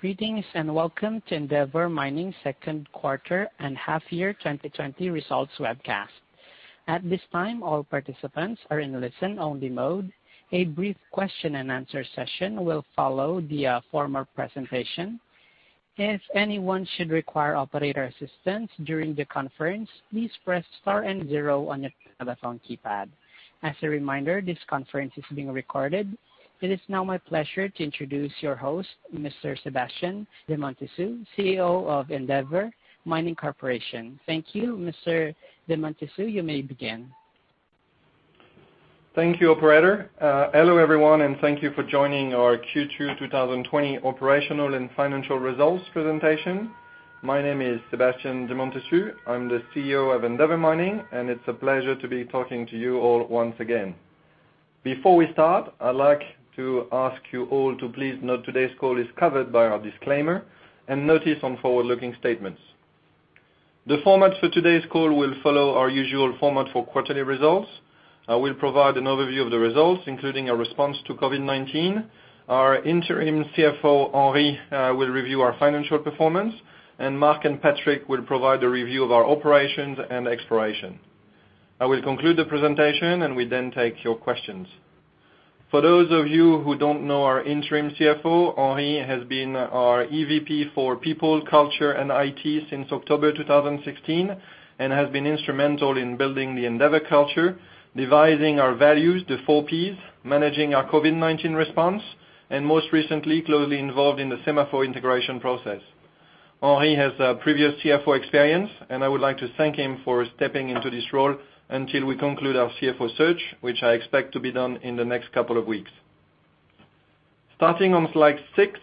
Greetings, and welcome to Endeavour Mining second quarter and half year 2020 results webcast. At this time, all participants are in listen-only mode. A brief question and answer session will follow the former presentation. If anyone should require operator assistance during the conference, please press Star and zero on your telephone keypad. As a reminder, this conference is being recorded. It is now my pleasure to introduce your host, Mr. Sébastien de Montessus, CEO of Endeavour Mining plc. Thank you, Mr. de Montessus, you may begin. Thank you, operator. Hello, everyone, and thank you for joining our Q2 2020 operational and financial results presentation. My name is Sébastien de Montessus. I am the CEO of Endeavour Mining, and it is a pleasure to be talking to you all once again. Before we start, I would like to ask you all to please note today's call is covered by our disclaimer and notice on forward-looking statements. The format for today's call will follow our usual format for quarterly results. I will provide an overview of the results, including a response to COVID-19. Our interim CFO, Henri, will review our financial performance, and Mark and Patrick will provide a review of our operations and exploration. I will conclude the presentation, and will then take your questions. For those of you who don't know our Interim CFO, Henri has been our EVP for people, culture, and IT since October 2016 and has been instrumental in building the Endeavour culture, devising our values, the four Ps, managing our COVID-19 response. Most recently, closely involved in the SEMAFO integration process. Henri has previous CFO experience, and I would like to thank him for stepping into this role until we conclude our CFO search, which I expect to be done in the next couple of weeks. Starting on slide six,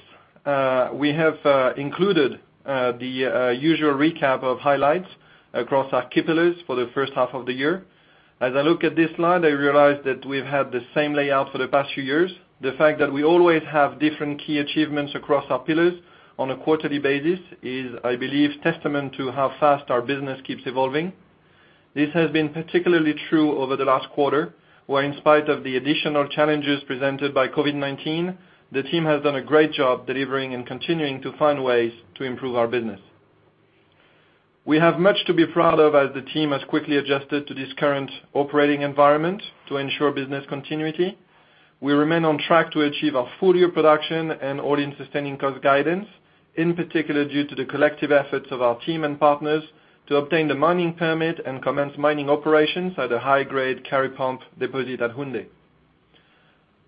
we have included the usual recap of highlights across our key pillars for the first half of the year. As I look at this slide, I realize that we've had the same layout for the past few years. The fact that we always have different key achievements across our pillars on a quarterly basis is, I believe, testament to how fast our business keeps evolving. This has been particularly true over the last quarter, where in spite of the additional challenges presented by COVID-19, the team has done a great job delivering and continuing to find ways to improve our business. We have much to be proud of as the team has quickly adjusted to this current operating environment to ensure business continuity. We remain on track to achieve our full-year production and all-in sustaining cost guidance, in particular due to the collective efforts of our team and partners to obtain the mining permit and commence mining operations at the high-grade Kari Pump deposit at Houndé.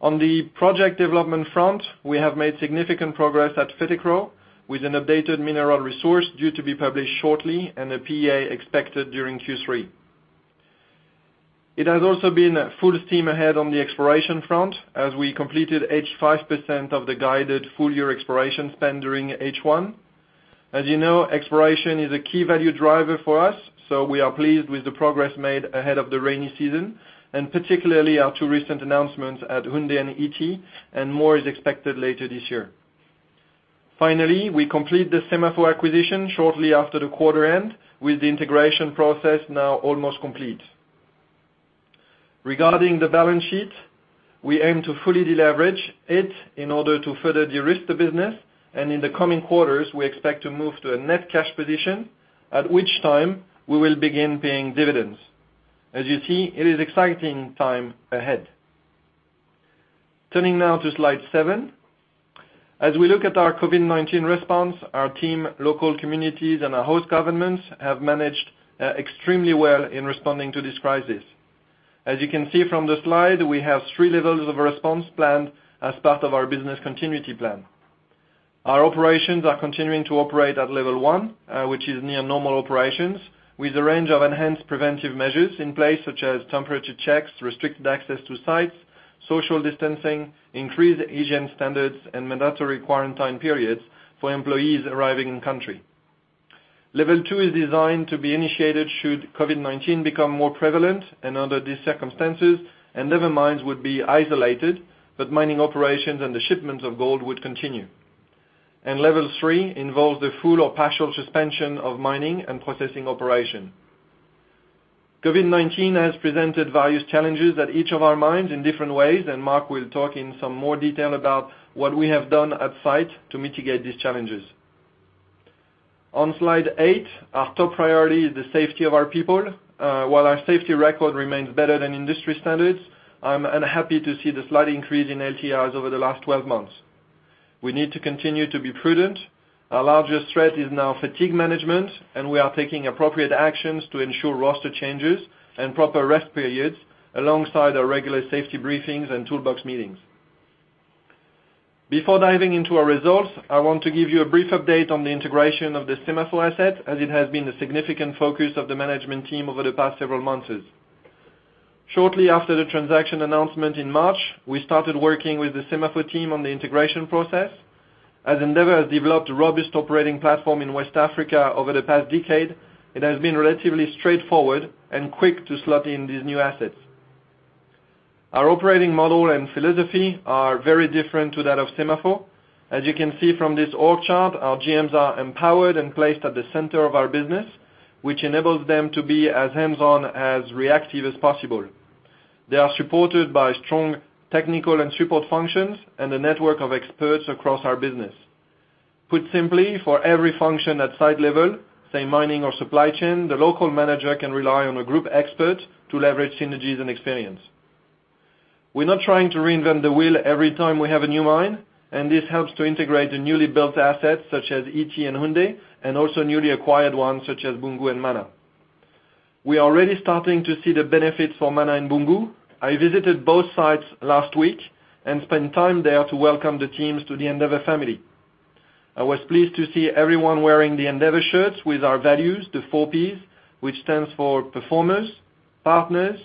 On the project development front, we have made significant progress at Fetekro, with an updated mineral resource due to be published shortly and a PEA expected during Q3. It has also been full steam ahead on the exploration front as we completed 85% of the guided full-year exploration spend during H1. As you know, exploration is a key value driver for us, so we are pleased with the progress made ahead of the rainy season, and particularly our two recent announcements at Houndé and Ity, and more is expected later this year. Finally, we complete the SEMAFO acquisition shortly after the quarter end, with the integration process now almost complete. Regarding the balance sheet, we aim to fully deleverage it in order to further de-risk the business, and in the coming quarters, we expect to move to a net cash position, at which time we will begin paying dividends. As you see, it is exciting time ahead. Turning now to slide seven. As we look at our COVID-19 response, our team, local communities, and our host governments have managed extremely well in responding to this crisis. As you can see from the slide, we have three levels of response planned as part of our business continuity plan. Our operations are continuing to operate at level one, which is near normal operations with a range of enhanced preventive measures in place, such as temperature checks, restricted access to sites, social distancing, increased hygiene standards, and mandatory quarantine periods for employees arriving in country. Level two is designed to be initiated should COVID-19 become more prevalent, and under these circumstances, Endeavour Mines would be isolated, but mining operations and the shipments of gold would continue. Level three involves the full or partial suspension of mining and processing operation. COVID-19 has presented various challenges at each of our mines in different ways. Mark will talk in some more detail about what we have done at site to mitigate these challenges. On slide eight, our top priority is the safety of our people. While our safety record remains better than industry standards, I'm unhappy to see the slight increase in LTIs over the last 12 months. We need to continue to be prudent. Our largest threat is now fatigue management. We are taking appropriate actions to ensure roster changes and proper rest periods alongside our regular safety briefings and toolbox meetings. Before diving into our results, I want to give you a brief update on the integration of the SEMAFO asset, as it has been a significant focus of the management team over the past several months. Shortly after the transaction announcement in March, we started working with the SEMAFO team on the integration process. As Endeavour has developed a robust operating platform in West Africa over the past decade, it has been relatively straightforward and quick to slot in these new assets. Our operating model and philosophy are very different to that of SEMAFO. As you can see from this org chart, our GMs are empowered and placed at the center of our business, which enables them to be as hands-on, as reactive as possible. They are supported by strong technical and support functions and a network of experts across our business. Put simply, for every function at site level, say mining or supply chain, the local manager can rely on a group expert to leverage synergies and experience. We're not trying to reinvent the wheel every time we have a new mine, this helps to integrate the newly built assets such as Ity and Houndé, and also newly acquired ones such as Boungou and Mana. We are already starting to see the benefits for Mana and Boungou. I visited both sites last week and spent time there to welcome the teams to the Endeavour family. I was pleased to see everyone wearing the Endeavour shirts with our values, the four Ps, which stands for performers, partners,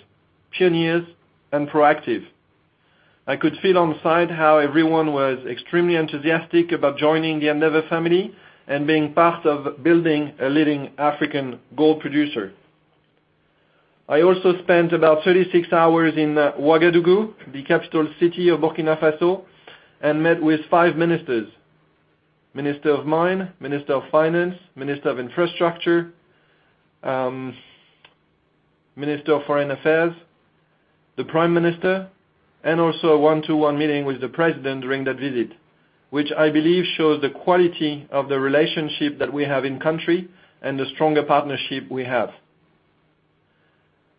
pioneers, and proactive. I could feel on-site how everyone was extremely enthusiastic about joining the Endeavour family and being part of building a leading African gold producer. I also spent about 36 hours in Ouagadougou, the capital city of Burkina Faso, and met with five ministers: Minister of Mine, Minister of Finance, Minister of Infrastructure, Minister of Foreign Affairs, the Prime Minister, and also a one-to-one meeting with the President during that visit, which I believe shows the quality of the relationship that we have in country and the stronger partnership we have.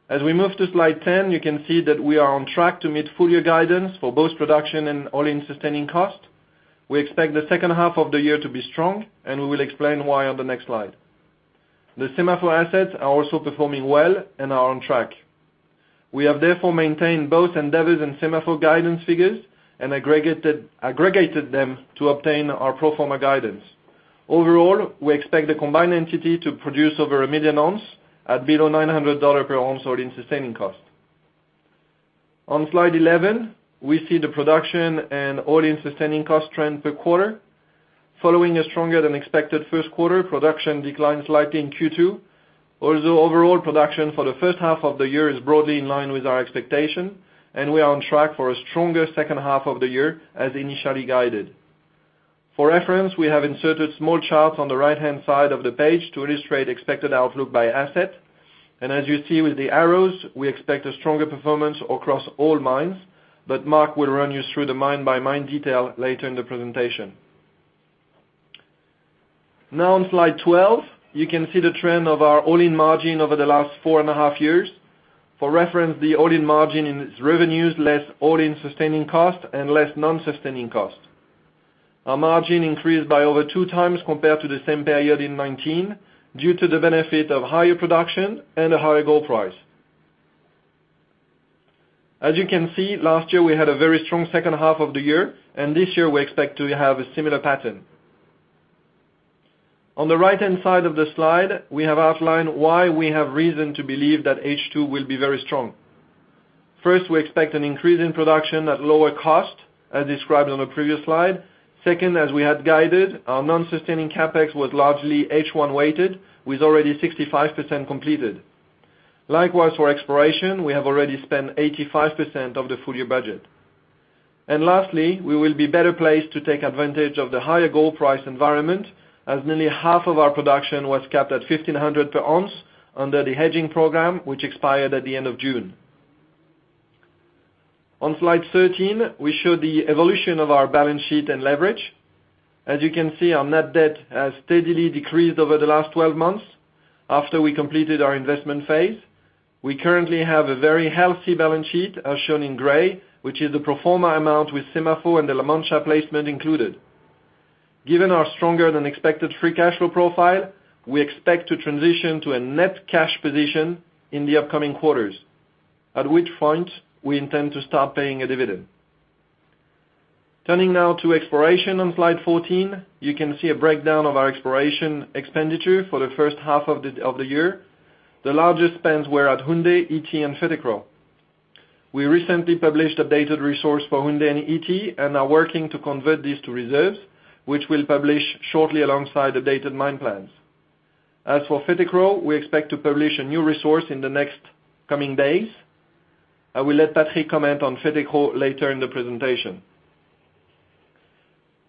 As we move to slide 10, you can see that we are on track to meet full year guidance for both production and all-in sustaining cost. We expect the second half of the year to be strong. We will explain why on the next slide. The SEMAFO assets are also performing well and are on track. We have therefore maintained both Endeavour's and SEMAFO guidance figures and aggregated them to obtain our pro forma guidance. Overall, we expect the combined entity to produce over a million ounce at below $900 per ounce all-in sustaining cost. On slide 11, we see the production and all-in sustaining cost trend per quarter. Following a stronger than expected first quarter, production declined slightly in Q2, although overall production for the first half of the year is broadly in line with our expectation. We are on track for a stronger second half of the year as initially guided. For reference, we have inserted small charts on the right-hand side of the page to illustrate expected outlook by asset. As you see with the arrows, we expect a stronger performance across all mines. Mark will run you through the mine-by-mine detail later in the presentation. Now on slide 12, you can see the trend of our all-in margin over the last four and a half years. For reference, the all-in margin is revenues less all-in sustaining cost and less non-sustaining cost. Our margin increased by over 2x compared to the same period in 2019 due to the benefit of higher production and a higher gold price. As you can see, last year we had a very strong second half of the year, and this year we expect to have a similar pattern. On the right-hand side of the slide, we have outlined why we have reason to believe that H2 will be very strong. First, we expect an increase in production at lower cost, as described on the previous slide. Second, as we had guided, our non-sustaining CapEx was largely H1-weighted, with already 65% completed. Likewise, for exploration, we have already spent 85% of the full-year budget. Lastly, we will be better placed to take advantage of the higher gold price environment as nearly half of our production was capped at $1,500 per ounce under the hedging program, which expired at the end of June. On slide 13, we show the evolution of our balance sheet and leverage. As you can see, our net debt has steadily decreased over the last 12 months after we completed our investment phase. We currently have a very healthy balance sheet, as shown in gray, which is the pro forma amount with SEMAFO and the La Mancha placement included. Given our stronger than expected free cash flow profile, we expect to transition to a net cash position in the upcoming quarters, at which point we intend to start paying a dividend. Turning now to exploration on slide 14, you can see a breakdown of our exploration expenditure for the first half of the year. The largest spends were at Houndé, Ity and Fetekro. We recently published updated resource for Houndé and Ity and are working to convert these to reserves, which we'll publish shortly alongside updated mine plans. As for Fetekro, we expect to publish a new resource in the next coming days. I will let Patrick comment on Fetekro later in the presentation.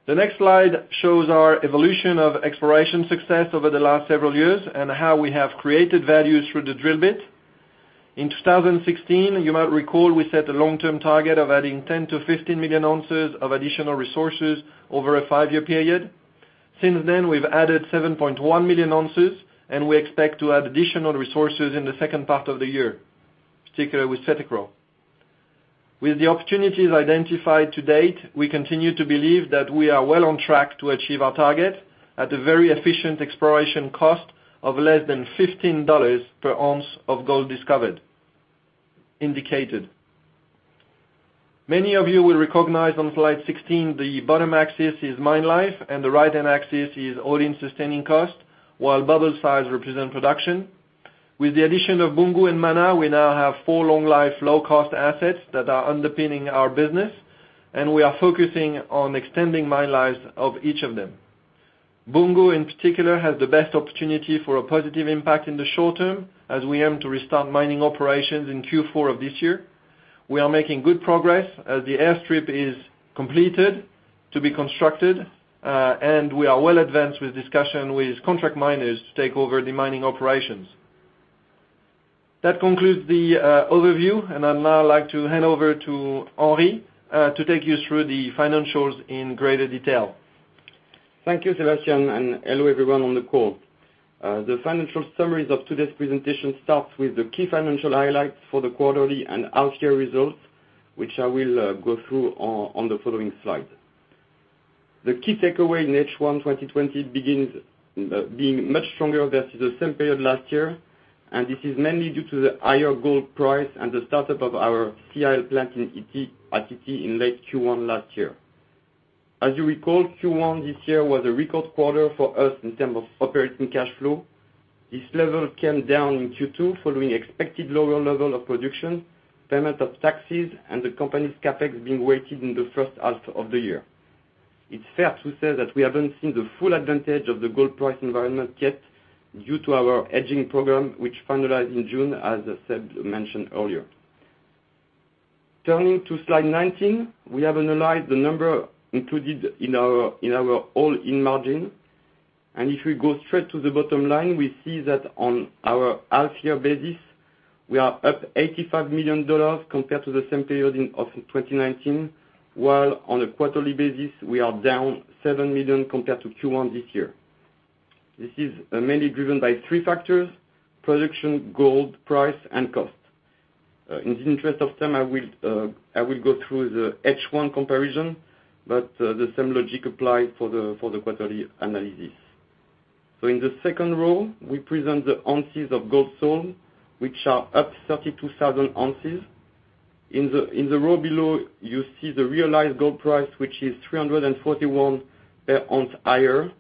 The next slide shows our evolution of exploration success over the last several years and how we have created value through the drill bit. In 2016, you might recall we set a long-term target of adding 10 to 15 million ounces of additional resources over a five-year period. Since then, we've added 7.1 million ounces, and we expect to add additional resources in the second part of the year, particularly with Sétygrou. With the opportunities identified to date, we continue to believe that we are well on track to achieve our target at a very efficient exploration cost of less than $15 per ounce of gold discovered, indicated. Many of you will recognize on slide 16 the bottom axis is mine life and the right-hand axis is all-in sustaining cost, while bubble size represent production. With the addition of Boungou and Mana, we now have four long-life, low-cost assets that are underpinning our business, and we are focusing on extending mine lives of each of them. Boungou, in particular, has the best opportunity for a positive impact in the short term, as we aim to restart mining operations in Q4 of this year. We are making good progress as the airstrip is completed. To be constructed, we are well-advanced with discussion with contract miners to take over the mining operations. That concludes the overview, and I'd now like to hand over to Henri to take you through the financials in greater detail. Thank you, Sébastien, hello everyone on the call. The financial summaries of today's presentation start with the key financial highlights for the quarterly and half-year results, which I will go through on the following slide. The key takeaway in H1 2020 being much stronger versus the same period last year, this is mainly due to the higher gold price and the startup of our CIL plant at Ity in late Q1 last year. As you recall, Q1 this year was a record quarter for us in terms of operating cash flow. This level came down in Q2 following expected lower level of production, payment of taxes, the company's CapEx being weighted in the first half of the year. It's fair to say that we haven't seen the full advantage of the gold price environment yet due to our hedging program, which finalized in June, as Seb mentioned earlier. Turning to Slide 19. We have analyzed the number included in our all-in margin. If we go straight to the bottom line, we see that on our half-year basis, we are up $85 million compared to the same period of 2019, while on a quarterly basis, we are down $7 million compared to Q1 this year. This is mainly driven by three factors, production, gold price, and cost. In the interest of time, I will go through the H1 comparison, the same logic applies for the quarterly analysis. In the second row, we present the ounces of gold sold, which are up 32,000 ounces. In the row below, you see the realized gold price, which is $341 per ounce higher.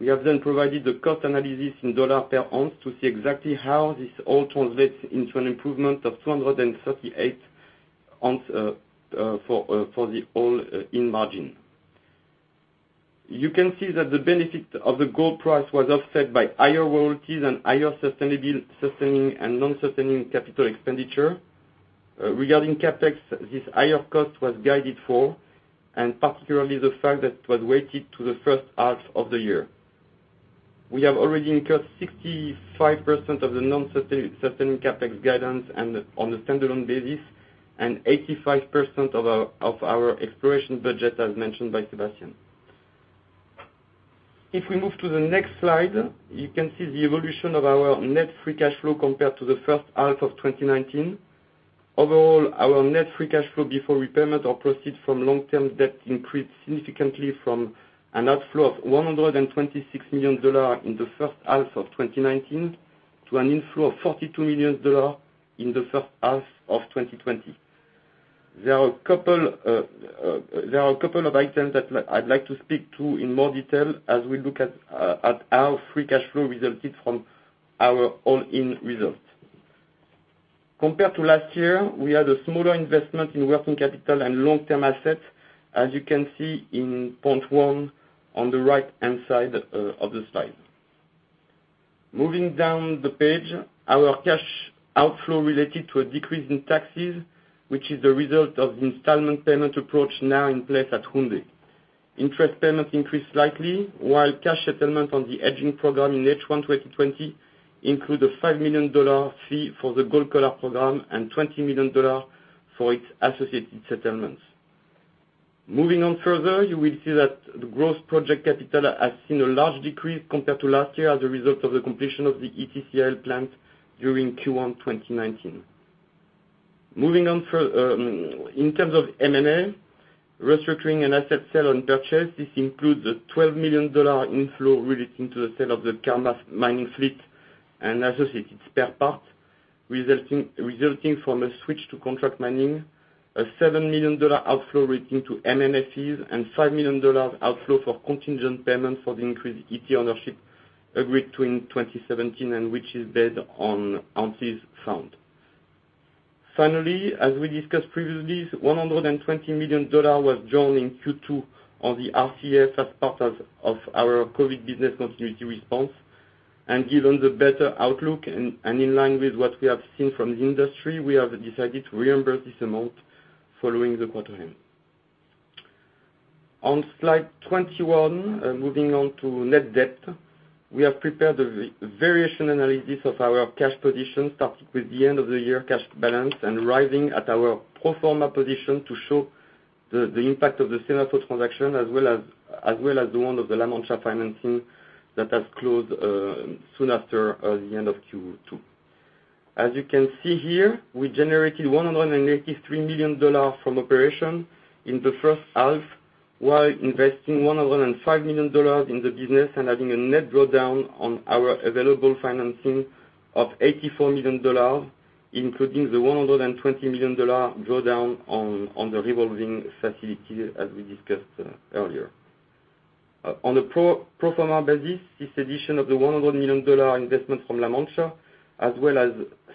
We have provided the cost analysis in dollar per ounce to see exactly how this all translates into an improvement of $238 ounce for the all-in margin. You can see that the benefit of the gold price was offset by higher royalties and higher sustaining and non-sustaining capital expenditure. Regarding CapEx, this higher cost was guided for, and particularly the fact that it was weighted to the first half of the year. We have already incurred 65% of the non-sustaining CapEx guidance on a standalone basis and 85% of our exploration budget, as mentioned by Sébastien. If we move to the next slide, you can see the evolution of our net free cash flow compared to the first half of 2019. Overall, our net free cash flow before repayment of proceeds from long-term debt increased significantly from an outflow of $126 million in the first half of 2019 to an inflow of $42 million in the first half of 2020. There are a couple of items that I'd like to speak to in more detail as we look at how free cash flow resulted from our all-in results. Compared to last year, we had a smaller investment in working capital and long-term assets, as you can see in point one on the right-hand side of the slide. Moving down the page, our cash outflow related to a decrease in taxes, which is the result of the installment payment approach now in place at Houndé. Interest payments increased slightly, while cash settlement on the hedging program in H1 2020 include a $5 million fee for the gold collar program and $20 million for its associated settlements. Moving on further, you will see that the growth project capital has seen a large decrease compared to last year as a result of the completion of the Ity CIL plant during Q1 2019. In terms of M&A, restructuring and asset sale and purchase, this includes a $12 million inflow relating to the sale of the Karma mining fleet and associated spare parts, resulting from a switch to contract mining, a $7 million outflow relating to M&A fees, and $5 million outflow for contingent payments for the increased Ity ownership agreed to in 2017 and which is based on ounces found. As we discussed previously, $120 million was drawn in Q2 on the RCF as part of our COVID business continuity response. Given the better outlook and in line with what we have seen from the industry, we have decided to reimburse this amount following the quarter end. On slide 21, moving on to net debt. We have prepared a variation analysis of our cash position, starting with the end of the year cash balance and arriving at our pro forma position to show the impact of the SEMAFO transaction as well as the one of the La Mancha financing that has closed soon after the end of Q2. As you can see here, we generated $183 million from operation in the first half, while investing $105 million in the business and having a net drawdown on our available financing of $84 million, including the $120 million drawdown on the revolving facility, as we discussed earlier. On a pro forma basis, this addition of the $100 million investment from La Mancha, as well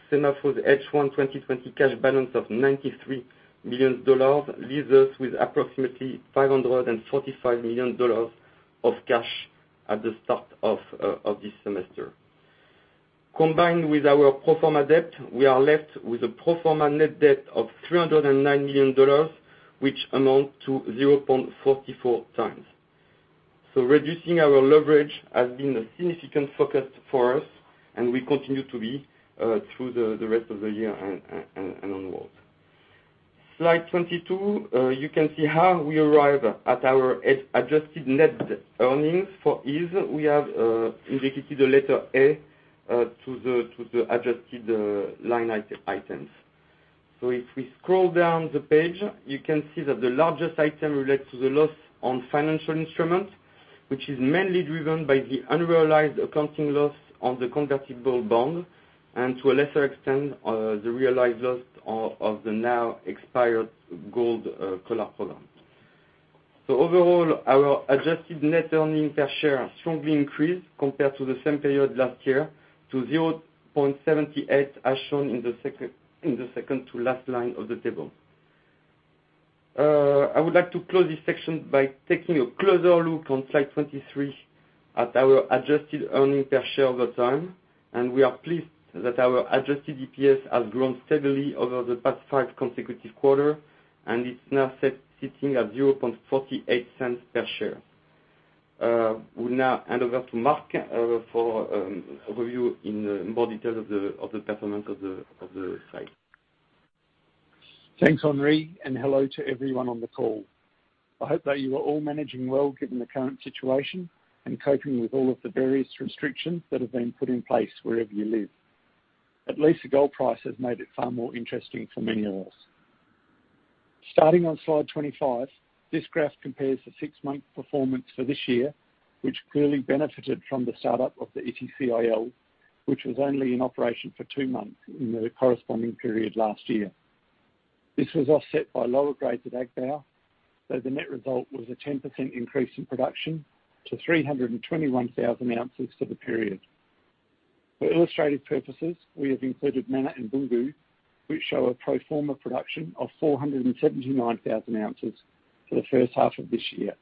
as SEMAFO's H1 2020 cash balance of $93 million, leaves us with approximately $545 million of cash at the start of this semester. Combined with our pro forma debt, we are left with a pro forma net debt of $309 million, which amounts to 0.44x. Reducing our leverage has been a significant focus for us, and will continue to be through the rest of the year and onwards. Slide 22, you can see how we arrive at our adjusted net earnings. For ease, we have indicated a letter A to the adjusted line items. If we scroll down the page, you can see that the largest item relates to the loss on financial instruments, which is mainly driven by the unrealized accounting loss on the convertible bond, and to a lesser extent, the realized loss of the now expired gold collar program. Overall, our adjusted net earnings per share strongly increased compared to the same period last year to $0.78 as shown in the second to last line of the table. I would like to close this section by taking a closer look on slide 23 at our adjusted earnings per share over time. We are pleased that our adjusted EPS has grown steadily over the past five consecutive quarters. It's now sitting at $0.48 per share. Will now hand over to Mark for a review in more detail of the performance of the slide. Thanks, Henri. Hello to everyone on the call. I hope that you are all managing well given the current situation, and coping with all of the various restrictions that have been put in place wherever you live. At least the gold price has made it far more interesting for many of us. Starting on slide 25, this graph compares the six-month performance for this year, which clearly benefited from the startup of the Ity CIL, which was only in operation for two months in the corresponding period last year. This was offset by lower grades at Agbaou, though the net result was a 10% increase in production to 321,000 ounces for the period. For illustrative purposes, we have included Mana and Boungou, which show a pro forma production of 479,000 ounces for the first half of this year,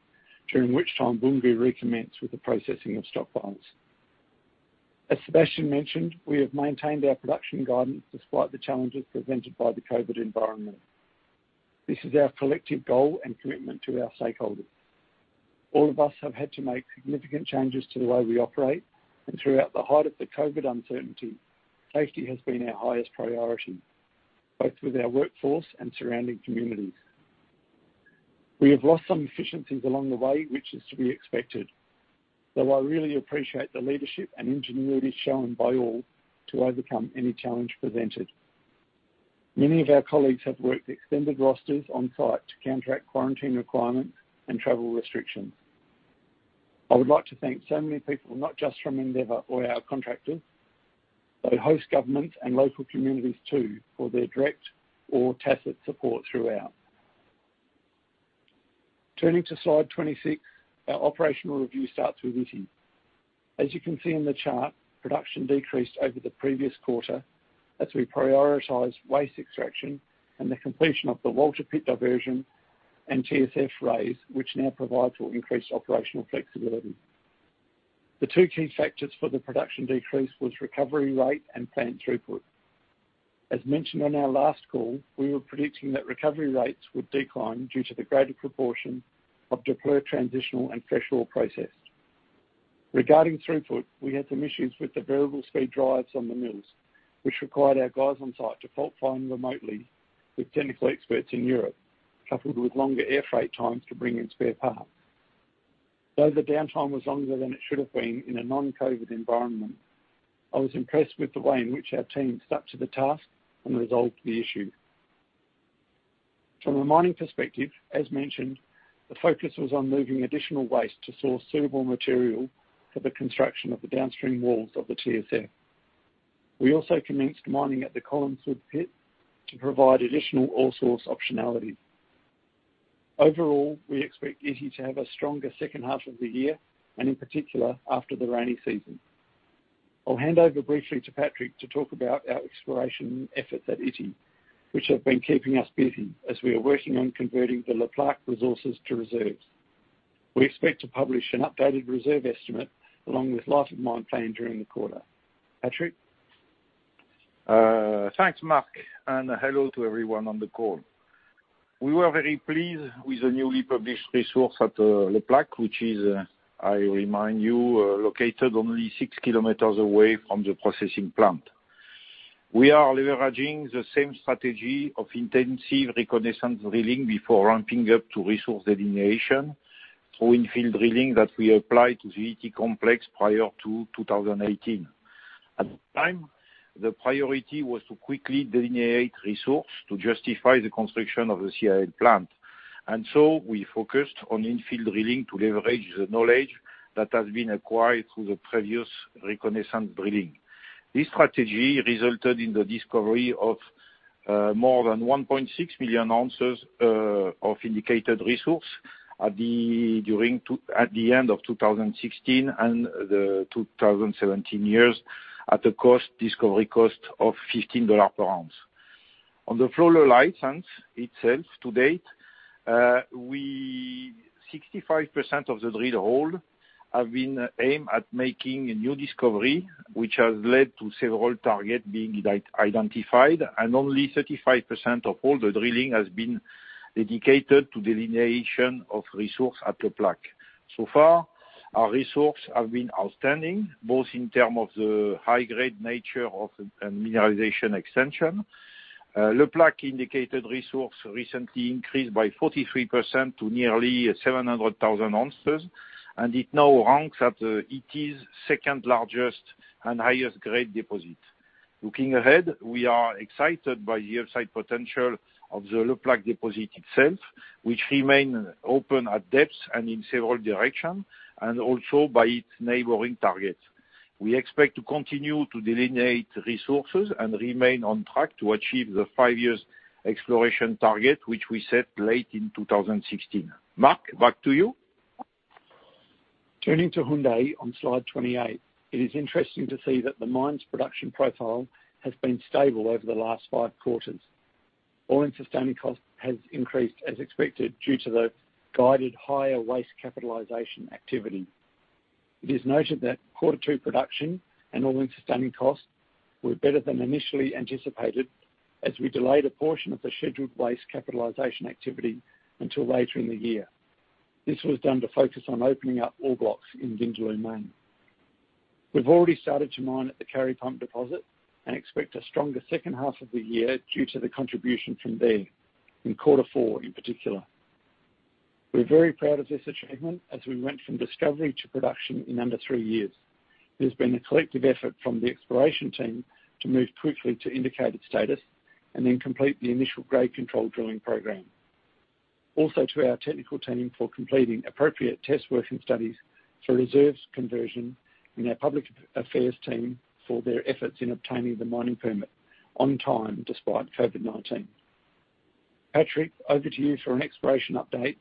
during which time Boungou recommenced with the processing of stockpiles. As Sébastien mentioned, we have maintained our production guidance despite the challenges presented by the COVID-19 environment. This is our collective goal and commitment to our stakeholders. All of us have had to make significant changes to the way we operate, and throughout the height of the COVID-19 uncertainty, safety has been our highest priority, both with our workforce and surrounding communities. We have lost some efficiencies along the way, which is to be expected, though I really appreciate the leadership and ingenuity shown by all to overcome any challenge presented. Many of our colleagues have worked extended rosters on-site to counteract quarantine requirements and travel restrictions. I would like to thank so many people, not just from Endeavour or our contractors, but host governments and local communities too, for their direct or tacit support throughout. Turning to slide 26, our operational review starts with Ity. As you can see in the chart, production decreased over the previous quarter as we prioritized waste extraction and the completion of the Walter pit diversion and TSF raise, which now provide for increased operational flexibility. The two key factors for the production decrease was recovery rate and plant throughput. As mentioned on our last call, we were predicting that recovery rates would decline due to the greater proportion of Daapleu transitional and fresh ore processed. Regarding throughput, we had some issues with the variable speed drives on the mills, which required our guys on site to fault find remotely with technical experts in Europe, coupled with longer air freight times to bring in spare parts. The downtime was longer than it should have been in a non-COVID environment, I was impressed with the way in which our team stuck to the task and resolved the issue. From a mining perspective, as mentioned, the focus was on moving additional waste to source suitable material for the construction of the downstream walls of the TSF. We also commenced mining at the Colline Sud pit to provide additional ore source optionality. Overall, we expect Ity to have a stronger second half of the year, and in particular, after the rainy season. I'll hand over briefly to Patrick to talk about our exploration efforts at Ity, which have been keeping us busy as we are working on converting the Le Plaque resources to reserves. We expect to publish an updated reserve estimate along with life of mine plan during the quarter. Patrick? Thanks, Mark, and hello to everyone on the call. We were very pleased with the newly published resource at Le Plaque, which is, I remind you, located only 6 kilometers away from the processing plant. We are leveraging the same strategy of intensive reconnaissance drilling before ramping up to resource delineation through in-field drilling that we applied to the Ity complex prior to 2018. At the time, the priority was to quickly delineate resource to justify the construction of the CIL plant. We focused on in-field drilling to leverage the knowledge that has been acquired through the previous reconnaissance drilling. This strategy resulted in the discovery of more than 1.6 million ounces of indicated resource at the end of 2016 and the 2017 years at a cost, discovery cost, of $15 per ounce. On the 100 license itself to date, we 65% of the drill hole have been aimed at making a new discovery, which has led to several targets being identified, and only 35% of all the drilling has been dedicated to delineation of resource at Le Plaque. So far, our resource has been outstanding, both in terms of the high grade nature of, and mineralization extension. Le Plaque indicated resource recently increased by 43% to nearly 700,000 ounces, and it now ranks at Ity's second largest and highest grade deposit. Looking ahead, we are excited by the upside potential of the Le Plaque deposit itself, which remains open at depths and in several directions, and also by its neighboring targets. We expect to continue to delineate resources and remain on track to achieve the five years exploration target, which we set late in 2016. Mark, back to you. Turning to Houndé on slide 28. It is interesting to see that the mine's production profile has been stable over the last five quarters. All-in sustaining cost has increased as expected, due to the guided higher waste capitalization activity. It is noted that Q2 production and all-in sustaining costs were better than initially anticipated, as we delayed a portion of the scheduled waste capitalization activity until later in the year. This was done to focus on opening up ore blocks in Vindaloo Main. We've already started to mine at the Kari Pump deposit and expect a stronger second half of the year due to the contribution from there, in Q4 in particular. We're very proud of this achievement as we went from discovery to production in under three years. There's been a collective effort from the exploration team to move quickly to indicated status and then complete the initial grade control drilling program. Also to our technical team for completing appropriate test working studies for reserves conversion, and our public affairs team for their efforts in obtaining the mining permit on time, despite COVID-19. Patrick, over to you for an exploration update,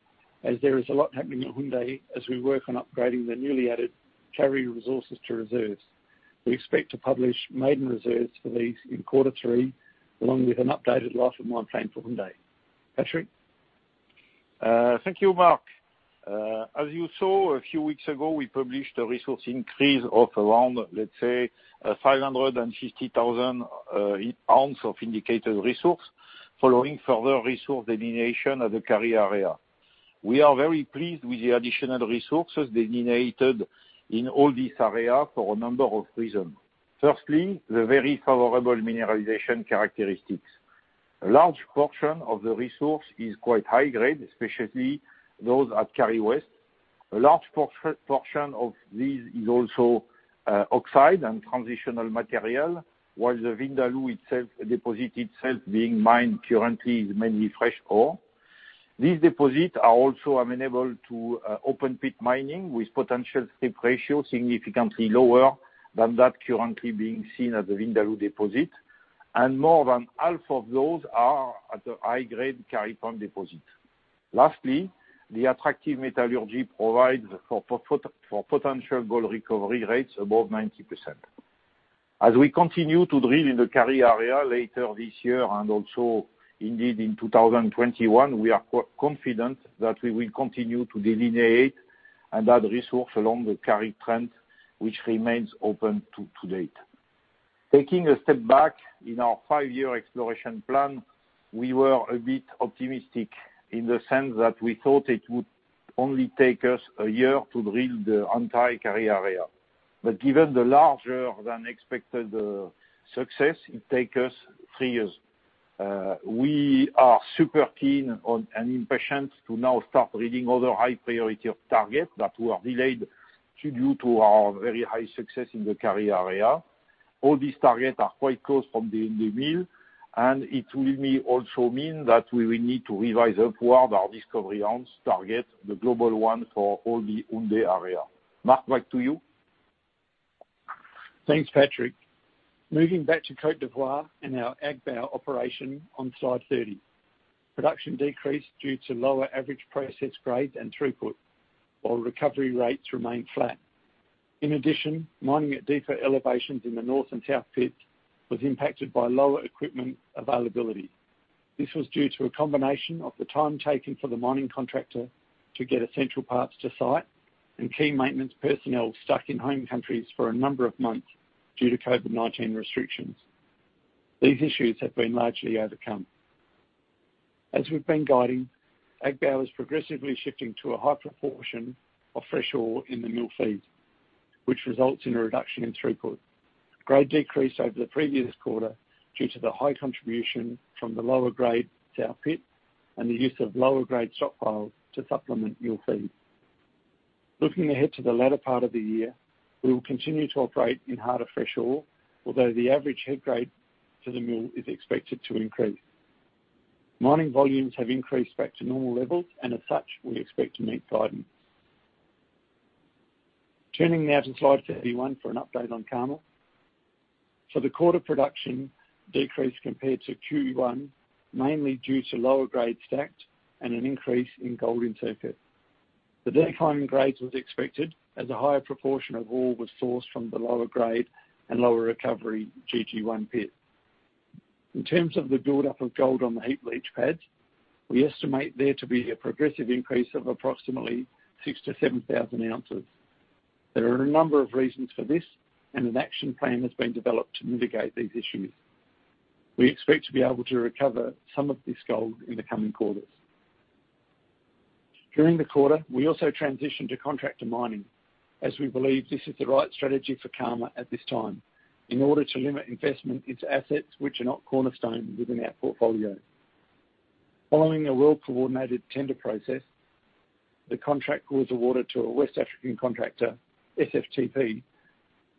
as there is a lot happening at Houndé as we work on upgrading the newly added Kari Pump resources to reserves. We expect to publish maiden reserves for these in quarter three, along with an updated life of mine plan for Houndé. Patrick. Thank you, Mark. As you saw a few weeks ago, we published a resource increase of around, let's say, 550,000 ounce of indicated resource following further resource delineation at the Kari area. We are very pleased with the additional resources delineated in all this area for a number of reasons. Firstly, the very favorable mineralization characteristics. A large portion of the resource is quite high grade, especially those at Kari West. A large portion of these is also oxide and transitional material, while the Vindaloo itself, deposit itself being mined currently is mainly fresh ore. These deposits are also amenable to open pit mining with potential strip ratio significantly lower than that currently being seen at the Vindaloo deposit, and more than half of those are at the high grade Kari Pump deposit. Lastly, the attractive metallurgy provides for potential gold recovery rates above 90%. As we continue to drill in the Kari area later this year and also indeed in 2021, we are confident that we will continue to delineate and add resource along the Kari trend which remains open to date. Taking a step back in our five-year exploration plan, we were a bit optimistic in the sense that we thought it would only take us a year to drill the entire Kari area. Given the larger than expected success, it take us three years. We are super keen on and impatient to now start drilling other high priority of target that were delayed due to our very high success in the Kari area. All these targets are quite close from the Ende mill, it will may also mean that we will need to revise upward our discovery ounce target, the global one for all the Houndé area. Mark, back to you. Thanks, Patrick. Moving back to Côte d'Ivoire and our Agbaou operation on slide 30. Production decreased due to lower average processed grade and throughput, while recovery rates remained flat. In addition, mining at deeper elevations in the north and South pit was impacted by lower equipment availability. This was due to a combination of the time taken for the mining contractor to get essential parts to site and key maintenance personnel stuck in home countries for a number of months due to COVID-19 restrictions. These issues have been largely overcome. As we've been guiding, Agbaou is progressively shifting to a high proportion of fresh ore in the mill feed, which results in a reduction in throughput. Grade decreased over the previous quarter due to the high contribution from the lower grade South pit and the use of lower grade stockpiles to supplement mill feed. Looking ahead to the latter part of the year, we will continue to operate in harder, fresh ore, although the average head grade to the mill is expected to increase. Mining volumes have increased back to normal levels. As such, we expect to meet guidance. Turning now to slide 31 for an update on Karma. For the quarter, production decreased compared to Q1, mainly due to lower grade stacked and an increase in gold in circuit. The decline in grades was expected, as a higher proportion of ore was sourced from the lower grade and lower recovery GG1 pit. In terms of the buildup of gold on the heap leach pads, we estimate there to be a progressive increase of approximately 6,000-7,000 ounces. There are a number of reasons for this. An action plan has been developed to mitigate these issues. We expect to be able to recover some of this gold in the coming quarters. During the quarter, we also transitioned to contractor mining as we believe this is the right strategy for Karma at this time in order to limit investment into assets which are not cornerstone within our portfolio. Following a well-coordinated tender process, the contract was awarded to a West African contractor, SFTP,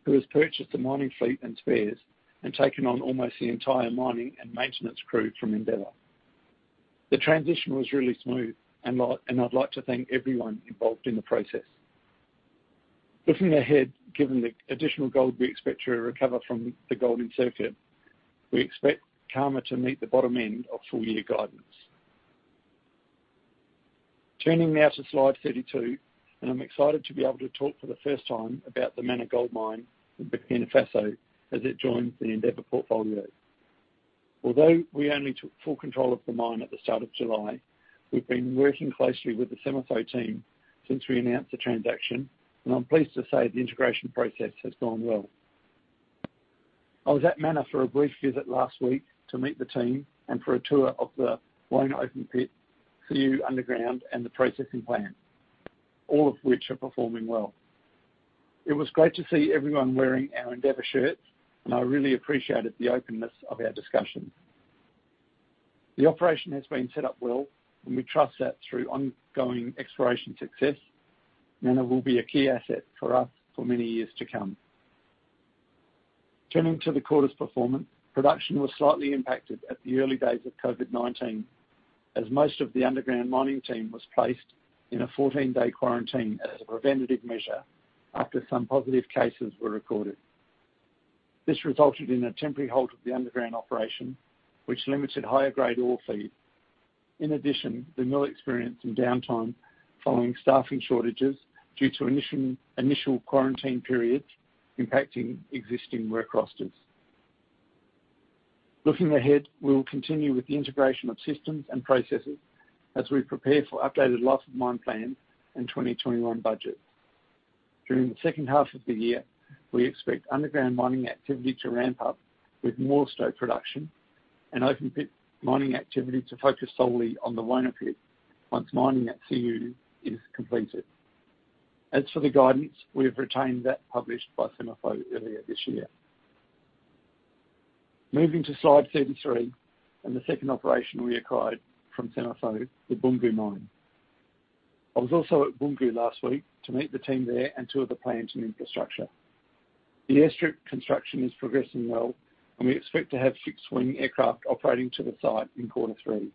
who has purchased the mining fleet and spares and taken on almost the entire mining and maintenance crew from Endeavour. The transition was really smooth, and I'd like to thank everyone involved in the process. Looking ahead, given the additional gold we expect to recover from the gold in circuit, we expect Karma to meet the bottom end of full-year guidance. Turning now to slide 32, I'm excited to be able to talk for the first time about the Mana Gold Mine in Burkina Faso as it joins the Endeavour portfolio. Although we only took full control of the mine at the start of July, we've been working closely with the SEMAFO team since we announced the transaction, and I'm pleased to say the integration process has gone well. I was at Mana for a brief visit last week to meet the team and for a tour of the Wona open pit, Siou underground, and the processing plant, all of which are performing well. It was great to see everyone wearing our Endeavour shirts, and I really appreciated the openness of our discussion. The operation has been set up well, and we trust that through ongoing exploration success, Mana will be a key asset for us for many years to come. Turning to the quarter's performance, production was slightly impacted at the early days of COVID-19, as most of the underground mining team was placed in a 14-day quarantine as a preventative measure after some positive cases were recorded. This resulted in a temporary halt of the underground operation, which limited higher-grade ore feed. In addition, the mill experienced some downtime following staffing shortages due to initial quarantine periods impacting existing work rosters. Looking ahead, we will continue with the integration of systems and processes as we prepare for updated life of mine plans and 2021 budget. During the second half of the year, we expect underground mining activity to ramp up with more ore production and open pit mining activity to focus solely on the Wona pit once mining at Ségué is completed. As for the guidance, we have retained that published by SEMAFO earlier this year. Moving to slide 33 and the second operation we acquired from SEMAFO, the Boungou mine. I was also at Boungou last week to meet the team there and tour the plants and infrastructure. The airstrip construction is progressing well, and we expect to have fixed-wing aircraft operating to the site in quarter three.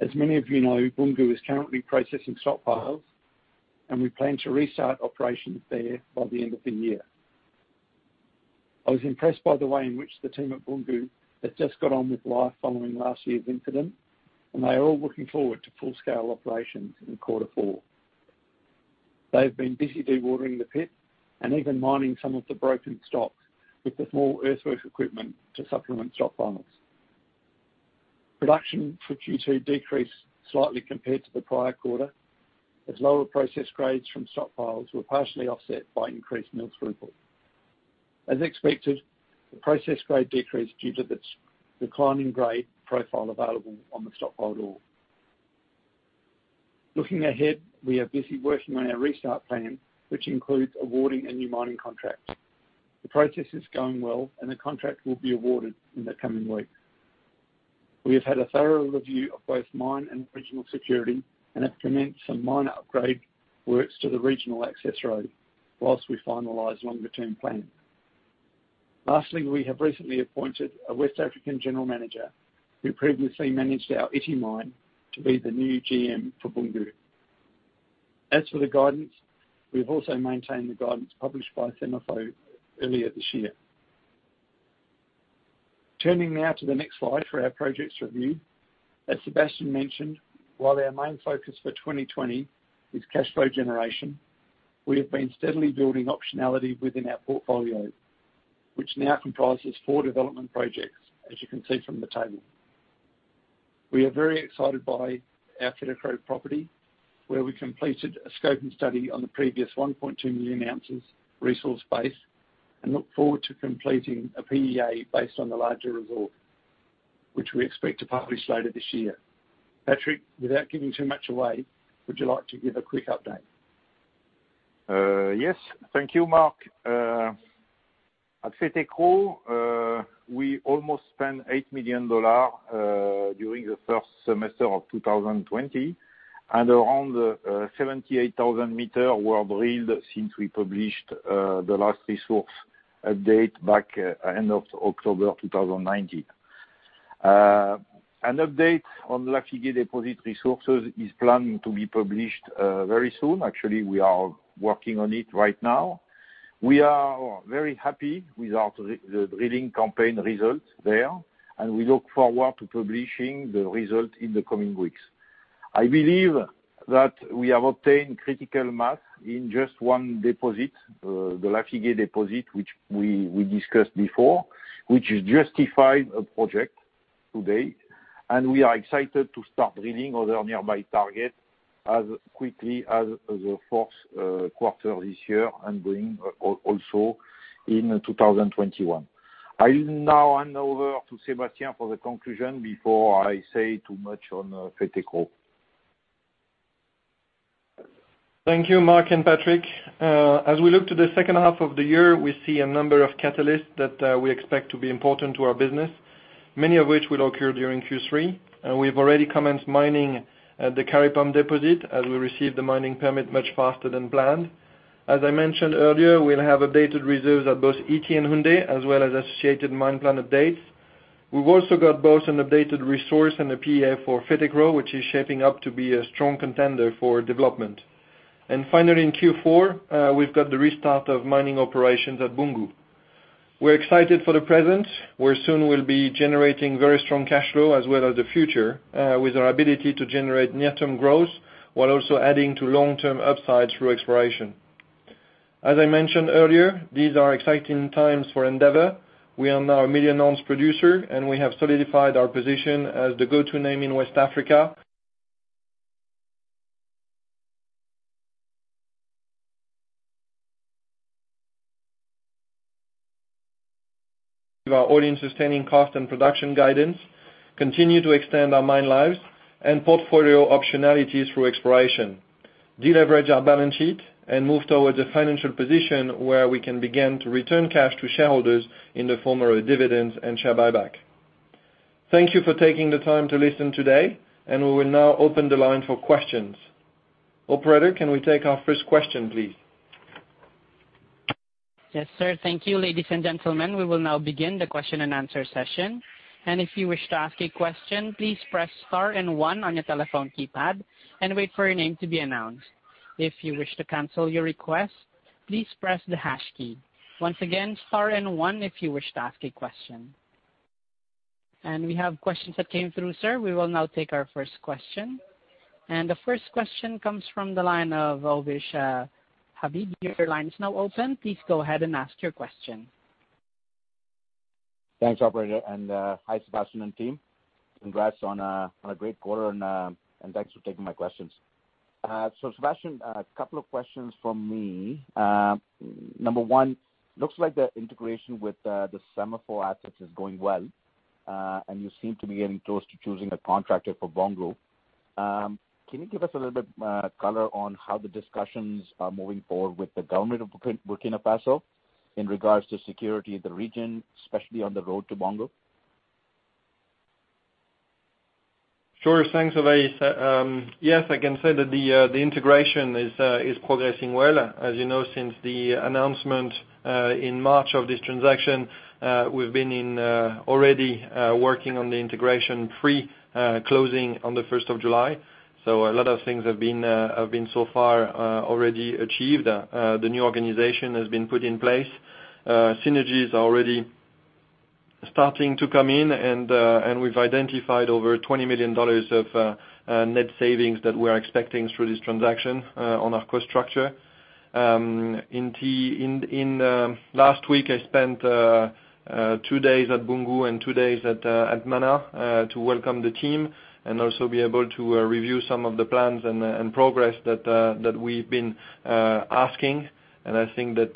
As many of you know, Boungou is currently processing stockpiles, and we plan to restart operations there by the end of the year. I was impressed by the way in which the team at Boungou has just got on with life following last year's incident, and they are all looking forward to full-scale operations in quarter four. They've been busy dewatering the pit and even mining some of the broken stocks with the small earthwork equipment to supplement stockpiles. Production for Q2 decreased slightly compared to the prior quarter, as lower process grades from stockpiles were partially offset by increased mill throughput. As expected, the process grade decreased due to the declining grade profile available on the stockpile ore. Looking ahead, we are busy working on our restart plan, which includes awarding a new mining contract. The process is going well, and the contract will be awarded in the coming weeks. We have had a thorough review of both mine and regional security and have commenced some mine upgrade works to the regional access road while we finalize longer-term plans. Lastly, we have recently appointed a West African General Manager who previously managed our Ity mine to be the new GM for Boungou. As for the guidance, we have also maintained the guidance published by SEMAFO earlier this year. Turning now to the next slide for our projects review. As Sébastien mentioned, while our main focus for 2020 is cash flow generation, we have been steadily building optionality within our portfolio, which now comprises four development projects, as you can see from the table. We are very excited by our Fetekro property, where we completed a scoping study on the previous 1.2 million ounces resource base and look forward to completing a PEA based on the larger resource, which we expect to publish later this year. Patrick, without giving too much away, would you like to give a quick update? Yes. Thank you, Mark. At Fetekro, we almost spent $8 million during the first semester of 2020, and around 78,000 meter were drilled since we published the last resource update back end of October 2019. An update on Lafigué deposit resources is planning to be published very soon. Actually, we are working on it right now. We are very happy with our drilling campaign results there, and we look forward to publishing the result in the coming weeks. I believe that we have obtained critical mass in just one deposit, the Lafigué deposit, which we discussed before, which justified a project today. We are excited to start drilling other nearby targets as quickly as the fourth quarter this year and going also in 2021. I'll now hand over to Sébastien for the conclusion before I say too much on Fetekro. Thank you, Mark and Patrick. As we look to the second half of the year, we see a number of catalysts that we expect to be important to our business, many of which will occur during Q3. We've already commenced mining at the Kari Pump deposit as we receive the mining permit much faster than planned. As I mentioned earlier, we'll have updated reserves at both Ity and Houndé, as well as associated mine plan updates. We've also got both an updated resource and a PEA for Fetekro, which is shaping up to be a strong contender for development. Finally, in Q4, we've got the restart of mining operations at Boungou. We're excited for the present, where soon we'll be generating very strong cash flow as well as the future, with our ability to generate near-term growth while also adding to long-term upside through exploration. As I mentioned earlier, these are exciting times for Endeavour. We are now a 1 million ounce producer. We have solidified our position as the go-to name in West Africa. With our all-in sustaining cost and production guidance, continue to extend our mine lives and portfolio optionalities through exploration, de-leverage our balance sheet, and move towards a financial position where we can begin to return cash to shareholders in the form of dividends and share buyback. Thank you for taking the time to listen today. We will now open the line for questions. Operator, can we take our first question, please? Yes, sir. Thank you, ladies and gentlemen. We will now begin the question-and-answer session. If you wish to ask a question, please press star and one on your telephone keypad and wait for your name to be announced. If you wish to cancel your request, please press the hash key. Once again, star and one if you wish to ask a question. We have questions that came through, sir. We will now take our first question. The first question comes from the line of Ovais Habib. Your line is now open. Please go ahead and ask your question. Thanks, operator. Hi, Sébastien and team. Congrats on a great quarter. Thanks for taking my questions. Sébastien, a couple of questions from me. Number one, looks like the integration with the SEMAFO assets is going well. You seem to be getting close to choosing a contractor for Boungou. Can you give us a little bit color on how the discussions are moving forward with the government of Burkina Faso in regards to security in the region, especially on the road to Boungou? Sure. Thanks, Ovais. Yes, I can say that the integration is progressing well. As you know, since the announcement in March of this transaction, we've been already working on the integration pre-closing on the 1st of July. A lot of things have been so far already achieved. The new organization has been put in place. Synergies are already starting to come in, and we've identified over $20 million of net savings that we're expecting through this transaction on our cost structure. Last week, I spent two days at Boungou and two days at Mana to welcome the team and also be able to review some of the plans and progress that we've been asking. I think that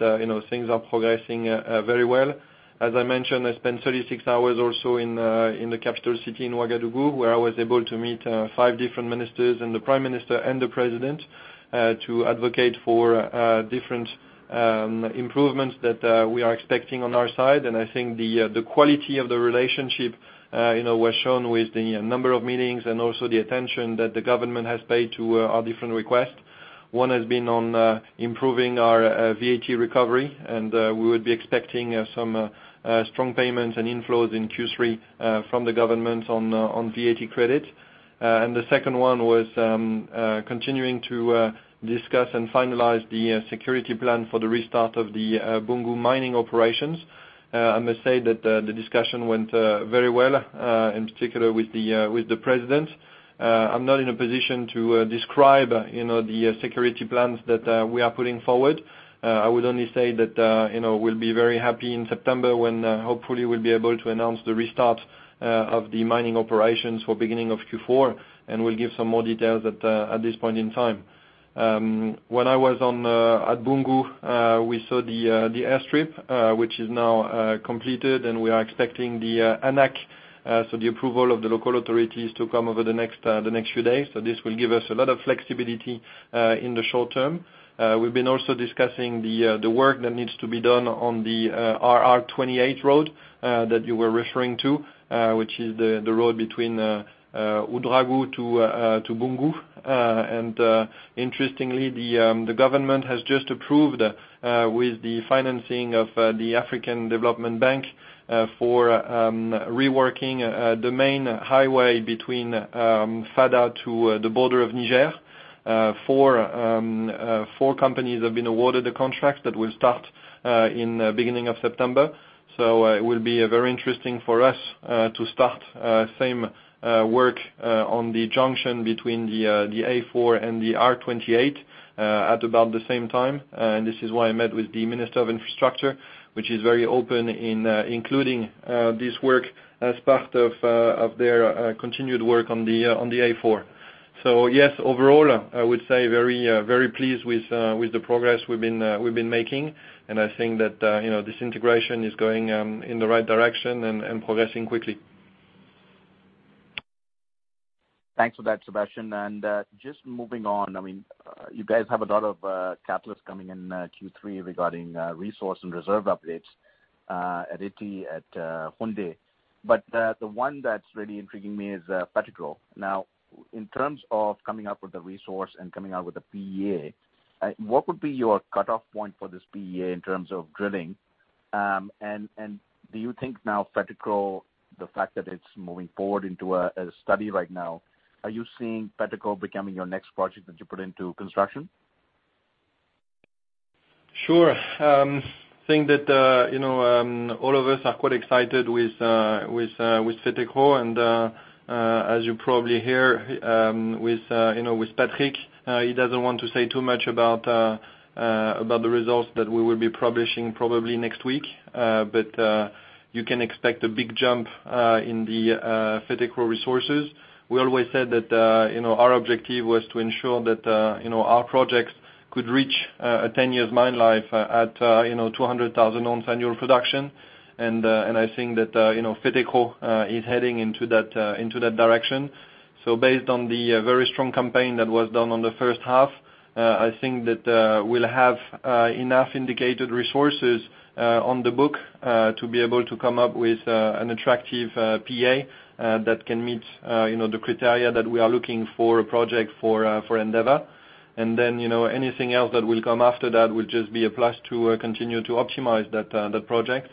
things are progressing very well. As I mentioned, I spent 36 hours also in the capital city in Ouagadougou, where I was able to meet five different ministers and the Prime Minister and the President to advocate for different improvements that we are expecting on our side. I think the quality of the relationship was shown with the number of meetings and also the attention that the government has paid to our different requests. One has been on improving our VAT recovery. We would be expecting some strong payments and inflows in Q3 from the government on VAT credit. The second one was continuing to discuss and finalize the security plan for the restart of the Boungou mining operations. I must say that the discussion went very well, in particular with the President. I'm not in a position to describe the security plans that we are putting forward. I would only say that we'll be very happy in September when hopefully we'll be able to announce the restart of the mining operations for beginning of Q4, and we'll give some more details at this point in time. When I was at Boungou, we saw the airstrip, which is now completed, and we are expecting the ANAC, so the approval of the local authorities to come over the next few days. This will give us a lot of flexibility in the short term. We've been also discussing the work that needs to be done on the RR28 road that you were referring to, which is the road between Ouagadougou to Boungou. Interestingly, the government has just approved with the financing of the African Development Bank for reworking the main highway between Fada to the border of Niger. Four companies have been awarded the contract that will start in the beginning of September. It will be very interesting for us to start same work on the junction between the RN4 and the RR28 at about the same time. This is why I met with the Minister of Infrastructure, which is very open in including this work as part of their continued work on the RN4. Yes, overall, I would say very pleased with the progress we've been making. I think that this integration is going in the right direction and progressing quickly. Thanks for that, Sébastien. Just moving on, you guys have a lot of catalysts coming in Q3 regarding resource and reserve updates at Ity, at Touande. The one that's really intriguing me is Fetekro. Now, in terms of coming up with the resource and coming out with the PEA, what would be your cutoff point for this PEA in terms of drilling? Do you think now Fetekro, the fact that it's moving forward into a study right now, are you seeing Fetekro becoming your next project that you put into construction? Sure. I think that all of us are quite excited with Fetekro and, as you probably hear with Patrick, he doesn't want to say too much about the results that we will be publishing probably next week. You can expect a big jump in the Fetekro resources. We always said that our objective was to ensure that our projects could reach a 10-year mine life at 200,000-ounce annual production. I think that Fetekro is heading into that direction. Based on the very strong campaign that was done on the first half, I think that we'll have enough indicated resources on the book to be able to come up with an attractive PEA that can meet the criteria that we are looking for a project for Endeavour. Anything else that will come after that will just be a plus to continue to optimize that project.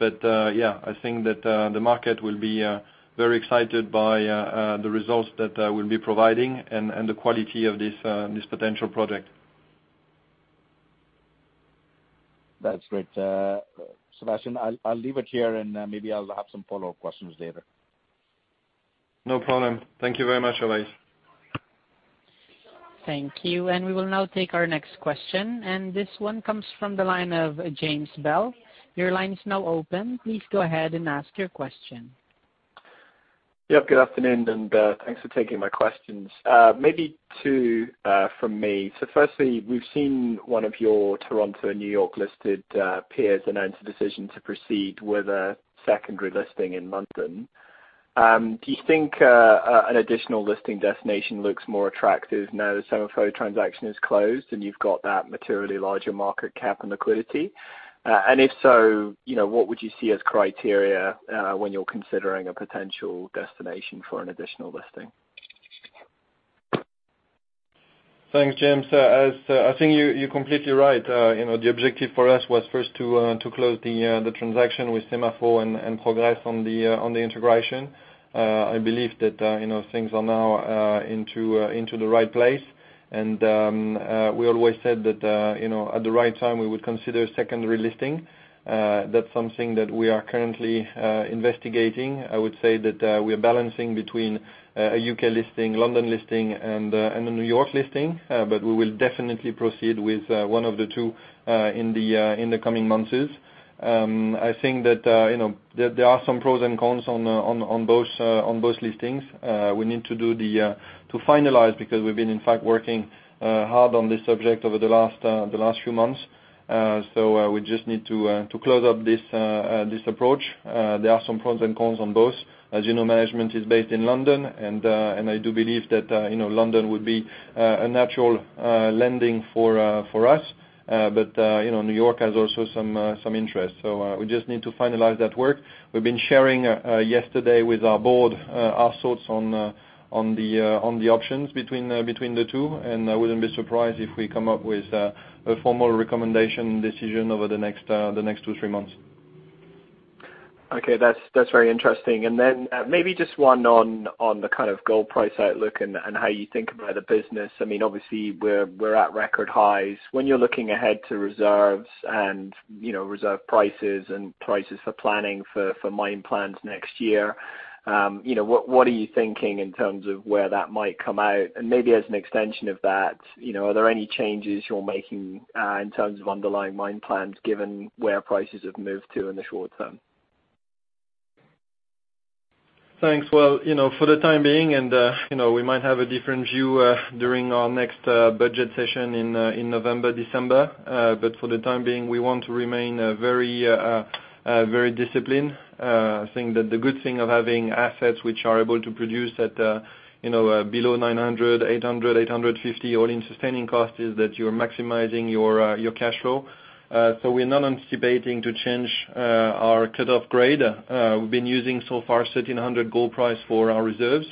Yeah, I think that the market will be very excited by the results that we'll be providing and the quality of this potential project. That's great, Sébastien. I'll leave it here and maybe I'll have some follow-up questions later. No problem. Thank you very much, Ovais. Thank you. We will now take our next question, and this one comes from the line of James Bell. Your line is now open. Please go ahead and ask your question. Yep, good afternoon, and thanks for taking my questions. Maybe two from me. Firstly, we've seen one of your Toronto, New York listed peers announce a decision to proceed with a secondary listing in London. Do you think an additional listing destination looks more attractive now the SEMAFO transaction is closed and you've got that materially larger market cap and liquidity? If so, what would you see as criteria when you're considering a potential destination for an additional listing? Thanks, James. I think you're completely right. The objective for us was first to close the transaction with SEMAFO and progress on the integration. I believe that things are now into the right place. We always said that at the right time we would consider secondary listing. That's something that we are currently investigating. I would say that we are balancing between a U.K. listing, London listing, and a New York listing. We will definitely proceed with one of the two in the coming months. I think that there are some pros and cons on both listings. We need to finalize because we've been, in fact, working hard on this subject over the last few months. We just need to close up this approach. There are some pros and cons on both. As you know, management is based in London, and I do believe that London would be a natural landing for us. New York has also some interest, so we just need to finalize that work. We've been sharing yesterday with our board our thoughts on the options between the two, and I wouldn't be surprised if we come up with a formal recommendation decision over the next two, three months. Okay. That's very interesting. Maybe just one on the gold price outlook and how you think about the business. Obviously, we're at record highs. When you're looking ahead to reserves and reserve prices and prices for planning for mine plans next year, what are you thinking in terms of where that might come out? Maybe as an extension of that, are there any changes you're making in terms of underlying mine plans given where prices have moved to in the short term? Thanks. For the time being, we might have a different view during our next budget session in November, December. For the time being, we want to remain very disciplined. I think that the good thing of having assets which are able to produce at below $900, $800, $850 all-in sustaining cost is that you're maximizing your cash flow. We're not anticipating to change our cutoff grade. We've been using so far $1,300 gold price for our reserves,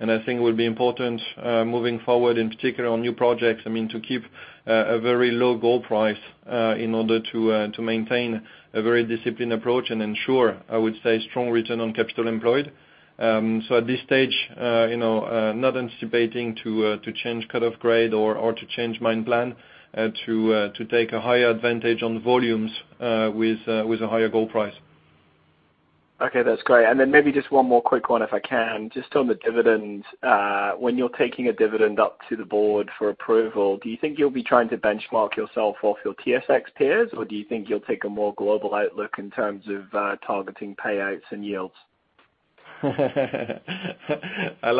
I think it will be important moving forward, in particular on new projects, to keep a very low gold price in order to maintain a very disciplined approach and ensure, I would say, strong return on capital employed. At this stage, not anticipating to change cutoff grade or to change mine plan to take a higher advantage on volumes with a higher gold price. Okay, that's great. Maybe just one more quick one if I can. Just on the dividends, when you're taking a dividend up to the board for approval, do you think you'll be trying to benchmark yourself off your TSX peers, or do you think you'll take a more global outlook in terms of targeting payouts and yields? I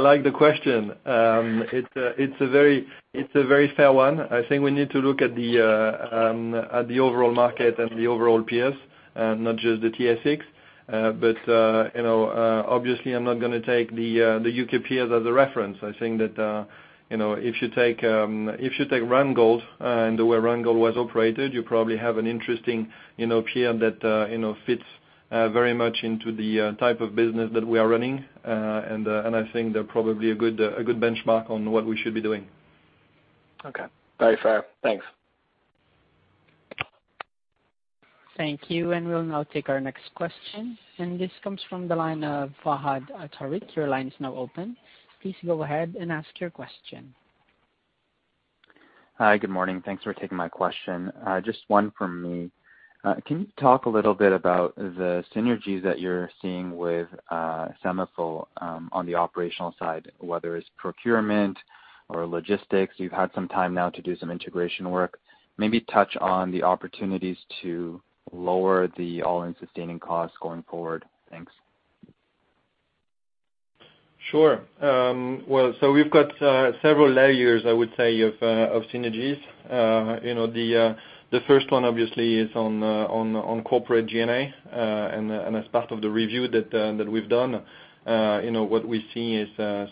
like the question. It's a very fair one. I think we need to look at the overall market and the overall peers, not just the TSX. Obviously I'm not going to take the U.K. peers as a reference. I think that if you take Randgold and the way Randgold was operated, you probably have an interesting peer that fits very much into the type of business that we are running. I think they're probably a good benchmark on what we should be doing. Okay. Very fair. Thanks. Thank you. We'll now take our next question, and this comes from the line of Fahad Tariq. Your line is now open. Please go ahead and ask your question. Hi. Good morning. Thanks for taking my question. Just one from me. Can you talk a little bit about the synergies that you're seeing with SEMAFO on the operational side, whether it's procurement or logistics? You've had some time now to do some integration work. Maybe touch on the opportunities to lower the all-in sustaining costs going forward. Thanks. Sure. Well, we've got several layers, I would say, of synergies. The first one obviously is on corporate G&A. As part of the review that we've done, what we see is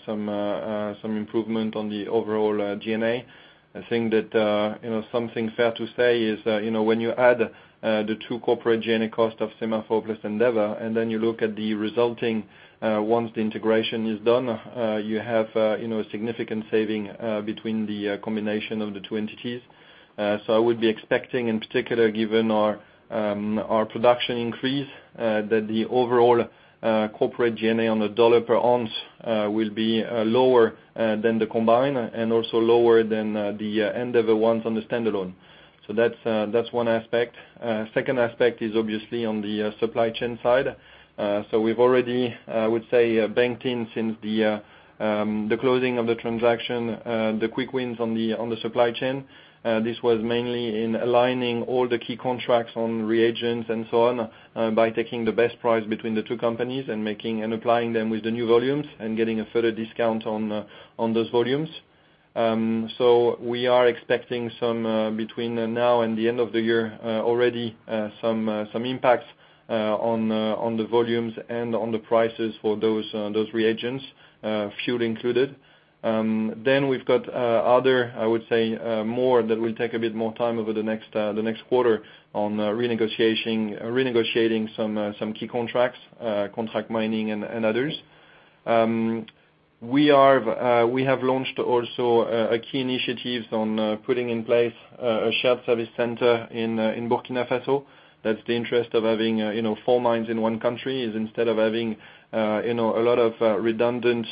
some improvement on the overall G&A. I think that something fair to say is when you add the two corporate G&A cost of SEMAFO plus Endeavour, then you look at the resulting once the integration is done, you have a significant saving between the combination of the two entities. I would be expecting, in particular, given our production increase, that the overall corporate G&A on the dollar per ounce will be lower than the combined and also lower than the Endeavour ones on the standalone. That's one aspect. Second aspect is obviously on the supply chain side. We've already, I would say, banked in since the closing of the transaction, the quick wins on the supply chain. This was mainly in aligning all the key contracts on reagents and so on by taking the best price between the two companies and applying them with the new volumes and getting a further discount on those volumes. We are expecting some between now and the end of the year already some impacts on the volumes and on the prices for those reagents, fuel included. We've got other, I would say, more that will take a bit more time over the next quarter on renegotiating some key contracts, contract mining and others. We have launched also a key initiatives on putting in place a shared service center in Burkina Faso. That's the interest of having four mines in one country is instead of having a lot of redundant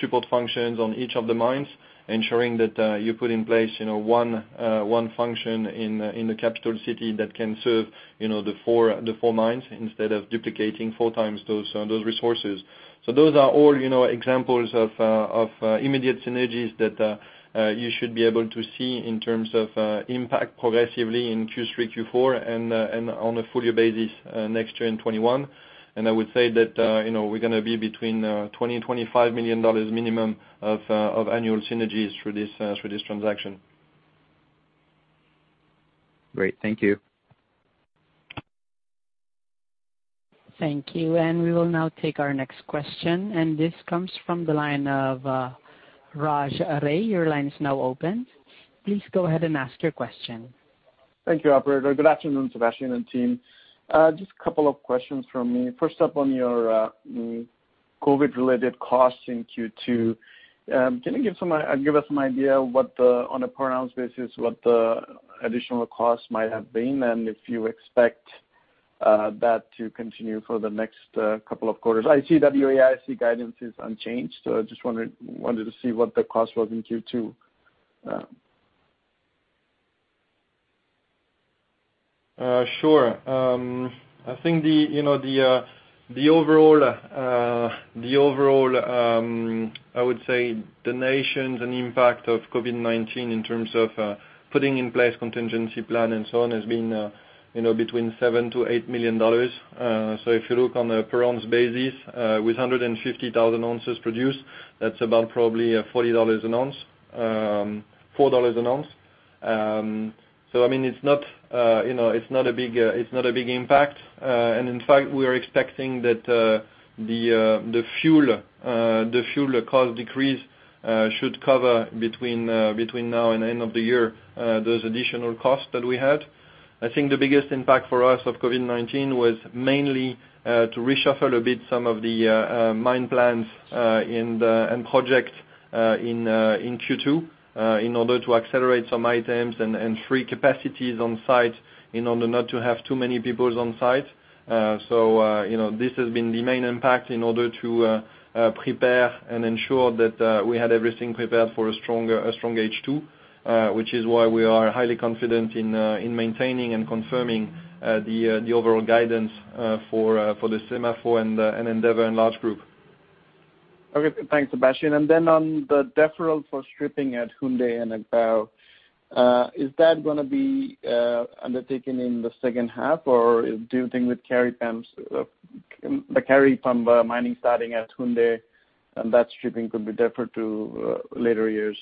support functions on each of the mines, ensuring that you put in place one function in the capital city that can serve the four mines instead of duplicating four times those resources. Those are all examples of immediate synergies that you should be able to see in terms of impact progressively in Q3, Q4 and on a full year basis next year in 2021. I would say that we're going to be between $20 and $25 million minimum of annual synergies through this transaction. Great. Thank you. Thank you. We will now take our next question, this comes from the line of Raj Ray. Your line is now open. Please go ahead and ask your question. Thank you, operator. Good afternoon, Sébastien and team. Just a couple of questions from me. First up on your COVID-related costs in Q2. Can you give us some idea what the, on a per ounce basis, what the additional cost might have been, and if you expect that to continue for the next couple of quarters? I see AISC guidance is unchanged, so I just wanted to see what the cost was in Q2. Sure. I think the overall, I would say, the notions and impact of COVID-19 in terms of putting in place contingency plan and so on has been between $7 million-$8 million. If you look on a per ounce basis, with 150,000 ounces produced, that's about probably $4 an ounce. In fact, we are expecting that the fuel cost decrease should cover between now and end of the year those additional costs that we had. The biggest impact for us of COVID-19 was mainly to reshuffle a bit some of the mine plans and project in Q2 in order to accelerate some items and free capacities on site in order not to have too many people on site. This has been the main impact in order to prepare and ensure that we had everything prepared for a strong H2, which is why we are highly confident in maintaining and confirming the overall guidance for the SEMAFO and Endeavour and large group. Okay. Thanks, Sébastien. On the deferral for stripping at Houndé and Agbaou, is that going to be undertaken in the second half, or do you think with Kari Pump, the Kari Pump mining starting at Houndé and that stripping could be deferred to later years?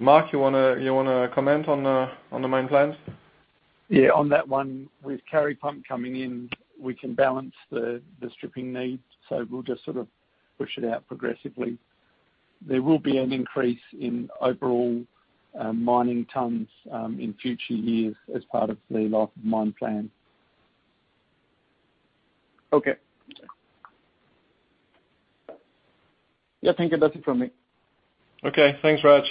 Mark, you want to comment on the mine plans? Yeah. On that one, with Kari Pump coming in, we can balance the stripping needs. We'll just sort of push it out progressively. There will be an increase in overall mining tons in future years as part of the life of mine plan. Okay. Yeah, thank you. That's it from me. Okay. Thanks, Raj.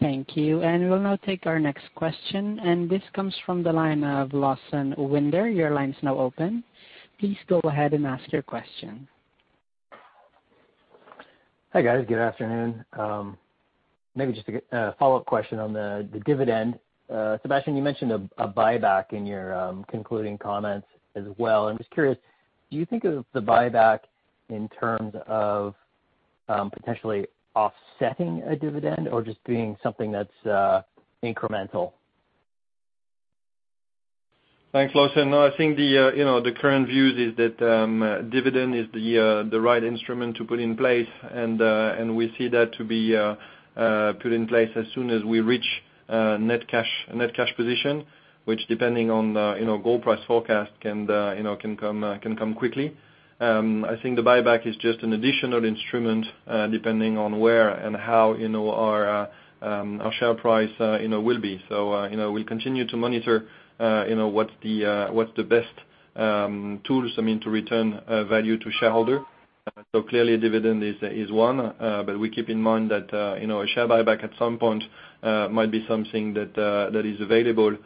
Thank you. We'll now take our next question, and this comes from the line of Lawson Winder. Your line is now open. Please go ahead and ask your question. Hi, guys. Good afternoon. Maybe just a follow-up question on the dividend. Sébastien, you mentioned a buyback in your concluding comments as well. I'm just curious, do you think of the buyback in terms of potentially offsetting a dividend or just being something that's incremental? Thanks, Lawson. No, I think the current view is that dividend is the right instrument to put in place, and we see that to be put in place as soon as we reach net cash position, which depending on gold price forecast can come quickly. I think the buyback is just an additional instrument, depending on where and how our share price will be. We'll continue to monitor what's the best tools to return value to shareholder. Clearly a dividend is one, but we keep in mind that a share buyback at some point might be something that is available,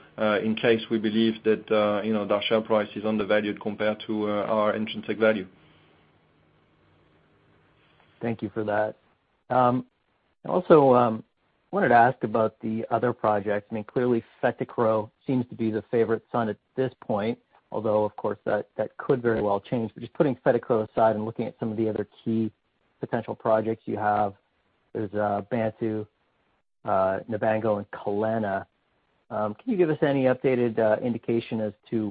in case we believe that our share price is undervalued compared to our intrinsic value. Thank you for that. Also, I wanted to ask about the other projects. Clearly, Fetekro seems to be the favorite son at this point, although of course, that could very well change. Just putting Fetekro aside and looking at some of the other key potential projects you have, there's Bantou, Nabanga, and Kalana. Can you give us any updated indication as to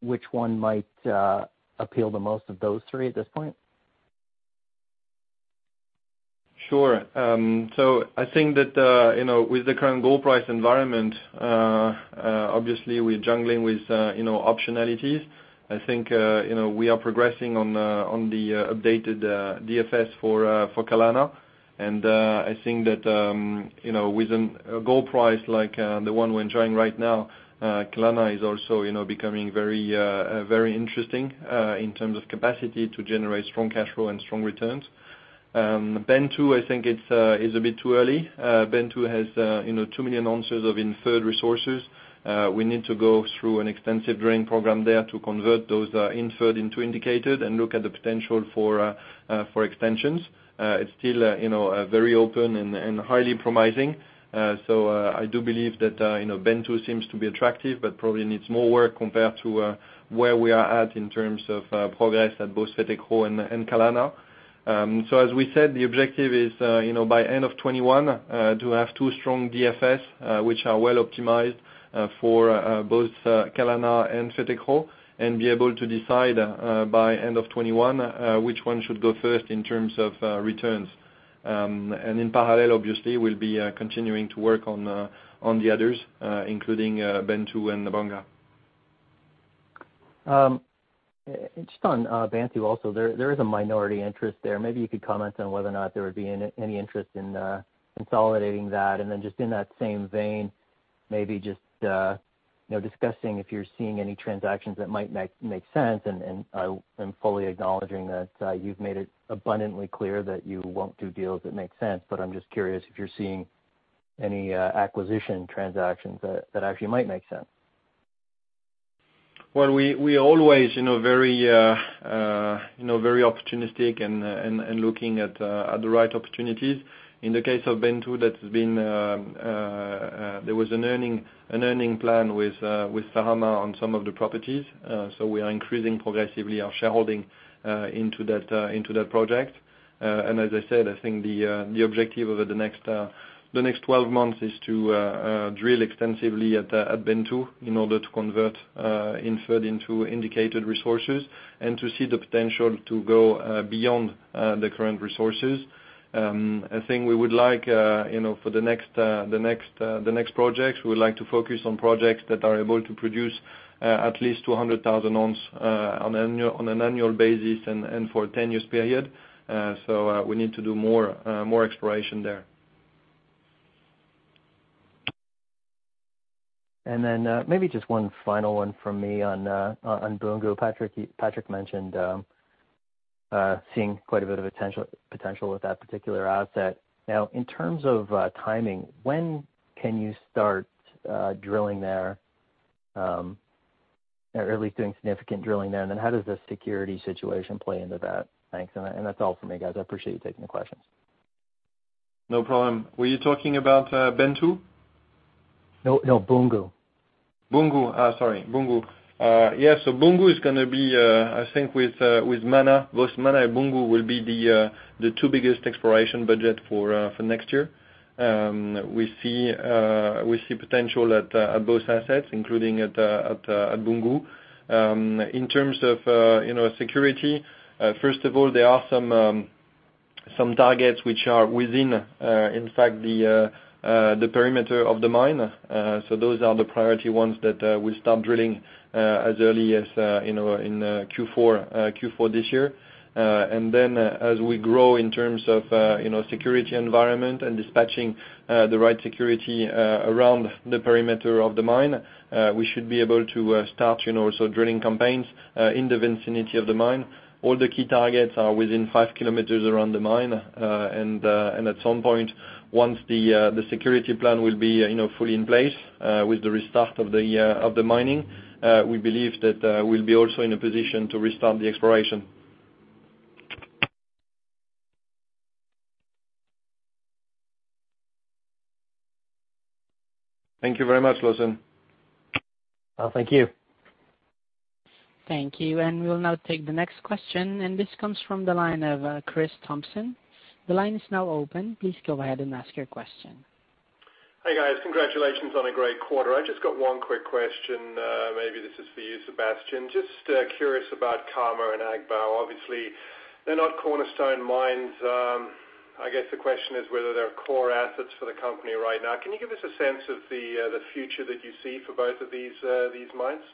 which one might appeal the most of those three at this point? Sure. I think that with the current gold price environment, obviously we're juggling with optionalities. I think we are progressing on the updated DFS for Kalana. I think that with a gold price like the one we're enjoying right now, Kalana is also becoming very interesting in terms of capacity to generate strong cash flow and strong returns. Bantou, I think it's a bit too early. Bantou has two million ounces of inferred resources. We need to go through an extensive drilling program there to convert those inferred into indicated and look at the potential for extensions. It's still very open and highly promising. I do believe that Bantou seems to be attractive but probably needs more work compared to where we are at in terms of progress at both Fetekro and Kalana. As we said, the objective is by end of 2021, to have two strong DFS, which are well optimized for both Kalana and Fetekro, and be able to decide, by end of 2021, which one should go first in terms of returns. In parallel, obviously, we'll be continuing to work on the others, including Bantou and Nabanga. Just on Bantou also, there is a minority interest there. Maybe you could comment on whether or not there would be any interest in consolidating that, and then just in that same vein, maybe just discussing if you're seeing any transactions that might make sense? I'm fully acknowledging that you've made it abundantly clear that you won't do deals that make sense, but I'm just curious if you're seeing any acquisition transactions that actually might make sense. We're always very opportunistic and looking at the right opportunities. In the case of Bantou, there was an earning plan with Sama on some of the properties. We are increasing progressively our shareholding into that project. As I said, I think the objective over the next 12 months is to drill extensively at Bantou in order to convert inferred into indicated resources and to see the potential to go beyond the current resources. I think we would like for the next projects, we would like to focus on projects that are able to produce at least 200,000 ounces on an annual basis and for a 10 years period. We need to do more exploration there. Maybe just one final one from me on Boungou. Patrick mentioned seeing quite a bit of potential with that particular asset. Now, in terms of timing, when can you start drilling there, or at least doing significant drilling there, and then how does the security situation play into that? Thanks. That's all for me, guys. I appreciate you taking the questions. No problem. Were you talking about Bantou? No. Boungou. Sorry. Boungou. Yes. Boungou is going to be, I think, with Mana. Both Mana and Boungou will be the two biggest exploration budget for next year. We see potential at both assets, including at Boungou. In terms of security, first of all, there are some targets which are within, in fact, the perimeter of the mine. Those are the priority ones that will start drilling as early as in Q4 this year. As we grow in terms of security environment and dispatching the right security around the perimeter of the mine, we should be able to start also drilling campaigns in the vicinity of the mine. All the key targets are within five kilometers around the mine. At some point, once the security plan will be fully in place with the restart of the mining, we believe that we'll be also in a position to restart the exploration. Thank you very much, Lawson. Thank you. Thank you. We will now take the next question. This comes from the line of Chris Thompson. The line is now open. Please go ahead and ask your question. Hey, guys. Congratulations on a great quarter. I just got one quick question. Maybe this is for you, Sébastien. Just curious about Karma and Agbaou. Obviously, they're not cornerstone mines. I guess the question is whether they're core assets for the company right now. Can you give us a sense of the future that you see for both of these mines?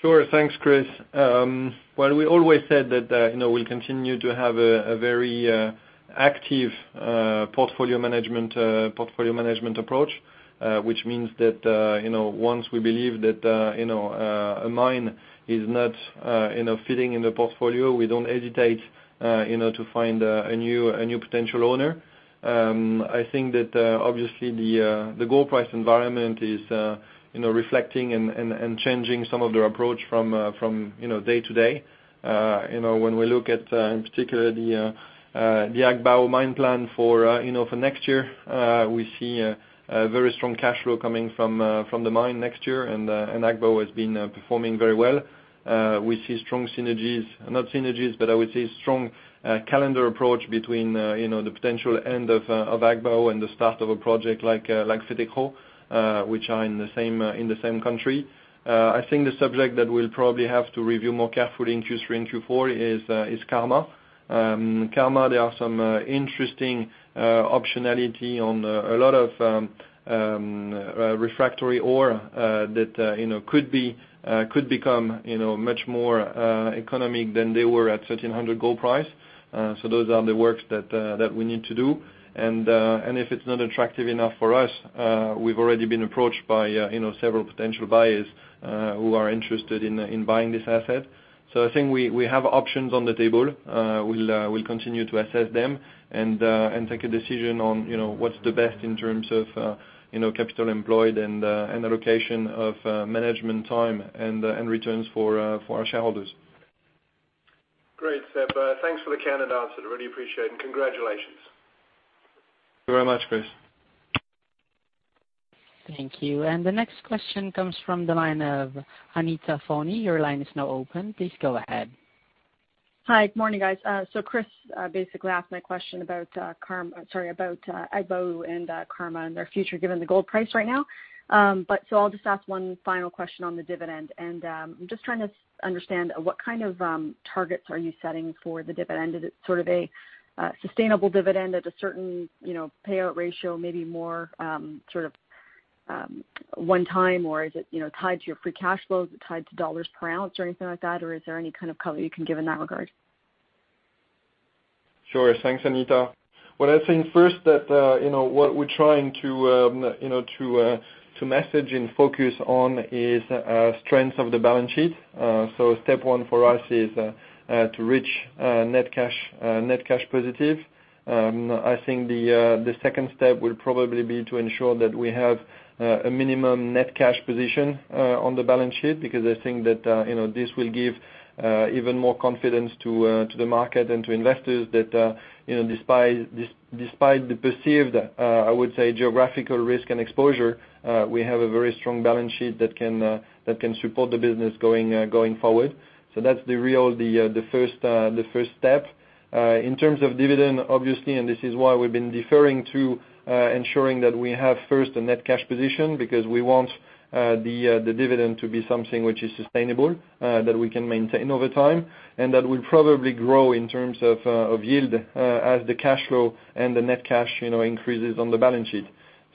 Sure. Thanks, Chris. We always said that we will continue to have a very active portfolio management approach, which means that once we believe that a mine is not fitting in the portfolio, we don't hesitate to find a new potential owner. I think that obviously the gold price environment is reflecting and changing some of their approach from day to day. When we look at, in particular, the Agbaou mine plan for next year, we see a very strong cash flow coming from the mine next year, and Agbaou has been performing very well. We see strong synergies, not synergies, but I would say strong calendar approach between the potential end of Agbaou and the start of a project like Ségué, which are in the same country. I think the subject that we will probably have to review more carefully in Q3 and Q4 is Karma. Karma, there are some interesting optionality on a lot of refractory ore that could become much more economic than they were at $1,300 gold price. Those are the works that we need to do. If it's not attractive enough for us, we've already been approached by several potential buyers who are interested in buying this asset. I think we have options on the table. We'll continue to assess them and take a decision on what's the best in terms of capital employed and allocation of management time and returns for our shareholders. Great, Seb. Thanks for the candid answer. Really appreciate it, and congratulations. Thank you very much, Chris. Thank you. The next question comes from the line of Anita Soni. Hi. Good morning, guys. Chris basically asked my question about Agbaou and Karma and their future, given the gold price right now. I'll just ask one final question on the dividend. I'm just trying to understand what kind of targets are you setting for the dividend? Is it sort of a sustainable dividend at a certain payout ratio, maybe more sort of one time, or is it tied to your free cash flow? Is it tied to dollars per ounce or anything like that, or is there any kind of color you can give in that regard? Sure. Thanks, Anita. What I think first that what we're trying to message and focus on is strength of the balance sheet. Step one for us is to reach net cash positive. I think the second step will probably be to ensure that we have a minimum net cash position on the balance sheet, because I think that this will give even more confidence to the market and to investors that despite the perceived, I would say, geographical risk and exposure, we have a very strong balance sheet that can support the business going forward. That's the real, the first step. In terms of dividend, obviously, and this is why we've been deferring to ensuring that we have first a net cash position, because we want the dividend to be something which is sustainable, that we can maintain over time, and that will probably grow in terms of yield as the cash flow and the net cash increases on the balance sheet.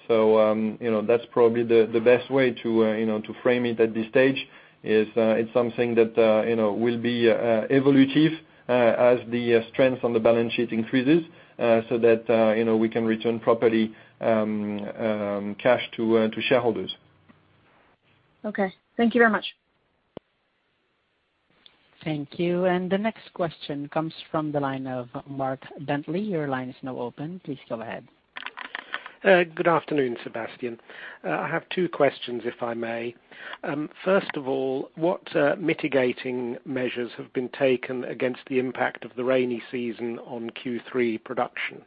That's probably the best way to frame it at this stage, is it's something that will be evolutive as the strength on the balance sheet increases, so that we can return properly cash to shareholders. Okay. Thank you very much. Thank you. The next question comes from the line of Mark Bentley. Your line is now open. Please go ahead. Good afternoon, Sébastien. I have two questions, if I may. First of all, what mitigating measures have been taken against the impact of the rainy season on Q3 production?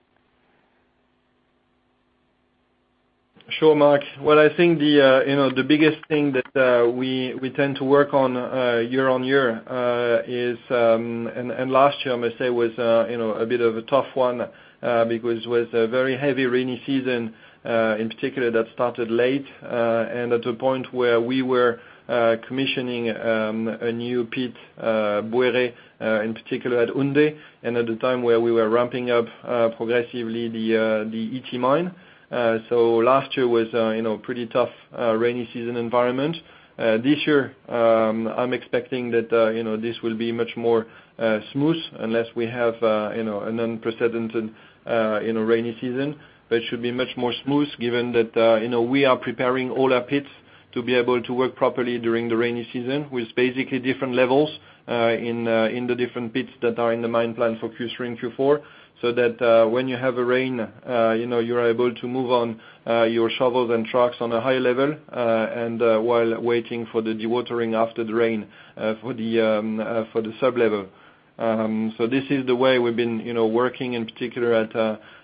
Sure, Mark. Well, I think the biggest thing that we tend to work on year-on-year is last year, I must say, was a bit of a tough one, because it was a very heavy rainy season, in particular, that started late, and at a point where we were commissioning a new pit, Bouéré, in particular at Houndé, and at the time where we were ramping up progressively the Ity mine. Last year was pretty tough rainy season environment. This year, I'm expecting that this will be much more smooth unless we have an unprecedented rainy season. It should be much more smooth given that we are preparing all our pits to be able to work properly during the rainy season, with basically different levels in the different pits that are in the mine plan for Q3 and Q4, so that when you have a rain, you're able to move on your shovels and trucks on a high level, and while waiting for the dewatering after the rain for the sub-level. This is the way we've been working, in particular at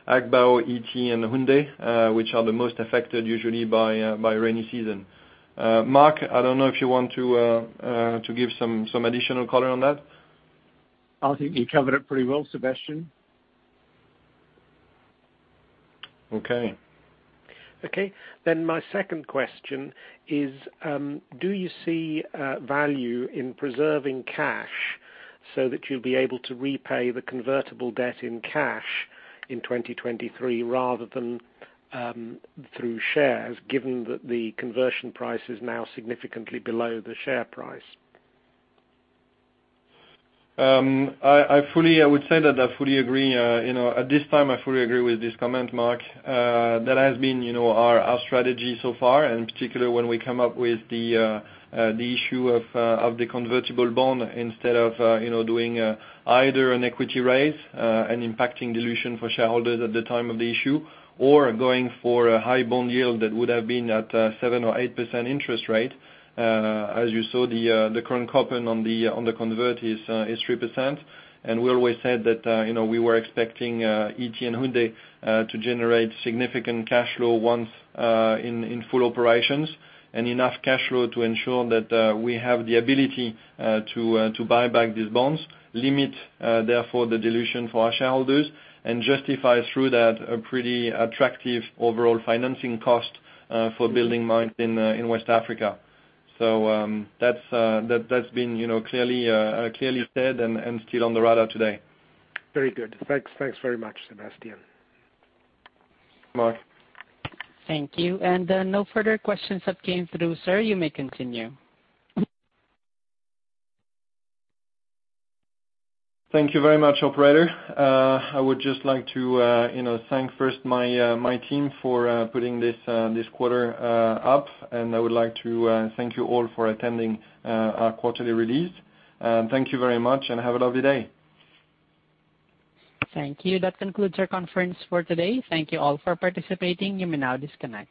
Agbaou, Ity, and Houndé, which are the most affected usually by rainy season. Mark, I don't know if you want to give some additional color on that. I think you covered it pretty well, Sébastien. Okay. Okay. My second question is, do you see value in preserving cash so that you'll be able to repay the convertible debt in cash in 2023 rather than through shares, given that the conversion price is now significantly below the share price? I would say that I fully agree. At this time, I fully agree with this comment, Mark. That has been our strategy so far, in particular, when we come up with the issue of the convertible bond instead of doing either an equity raise, impacting dilution for shareholders at the time of the issue, or going for a high bond yield that would have been at 7% or 8% interest rate. As you saw, the current coupon on the convert is 3%. We always said that we were expecting Ity and Houndé to generate significant cash flow once in full operations, enough cash flow to ensure that we have the ability to buy back these bonds, limit, therefore, the dilution for our shareholders, and justify through that a pretty attractive overall financing cost for building mines in West Africa. That's been clearly said and still on the radar today. Very good. Thanks very much, Sébastien. Mark. Thank you. No further questions have come through, sir. You may continue. Thank you very much, operator. I would just like to thank first my team for putting this quarter up, and I would like to thank you all for attending our quarterly release. Thank you very much, and have a lovely day. Thank you. That concludes our conference for today. Thank you all for participating. You may now disconnect.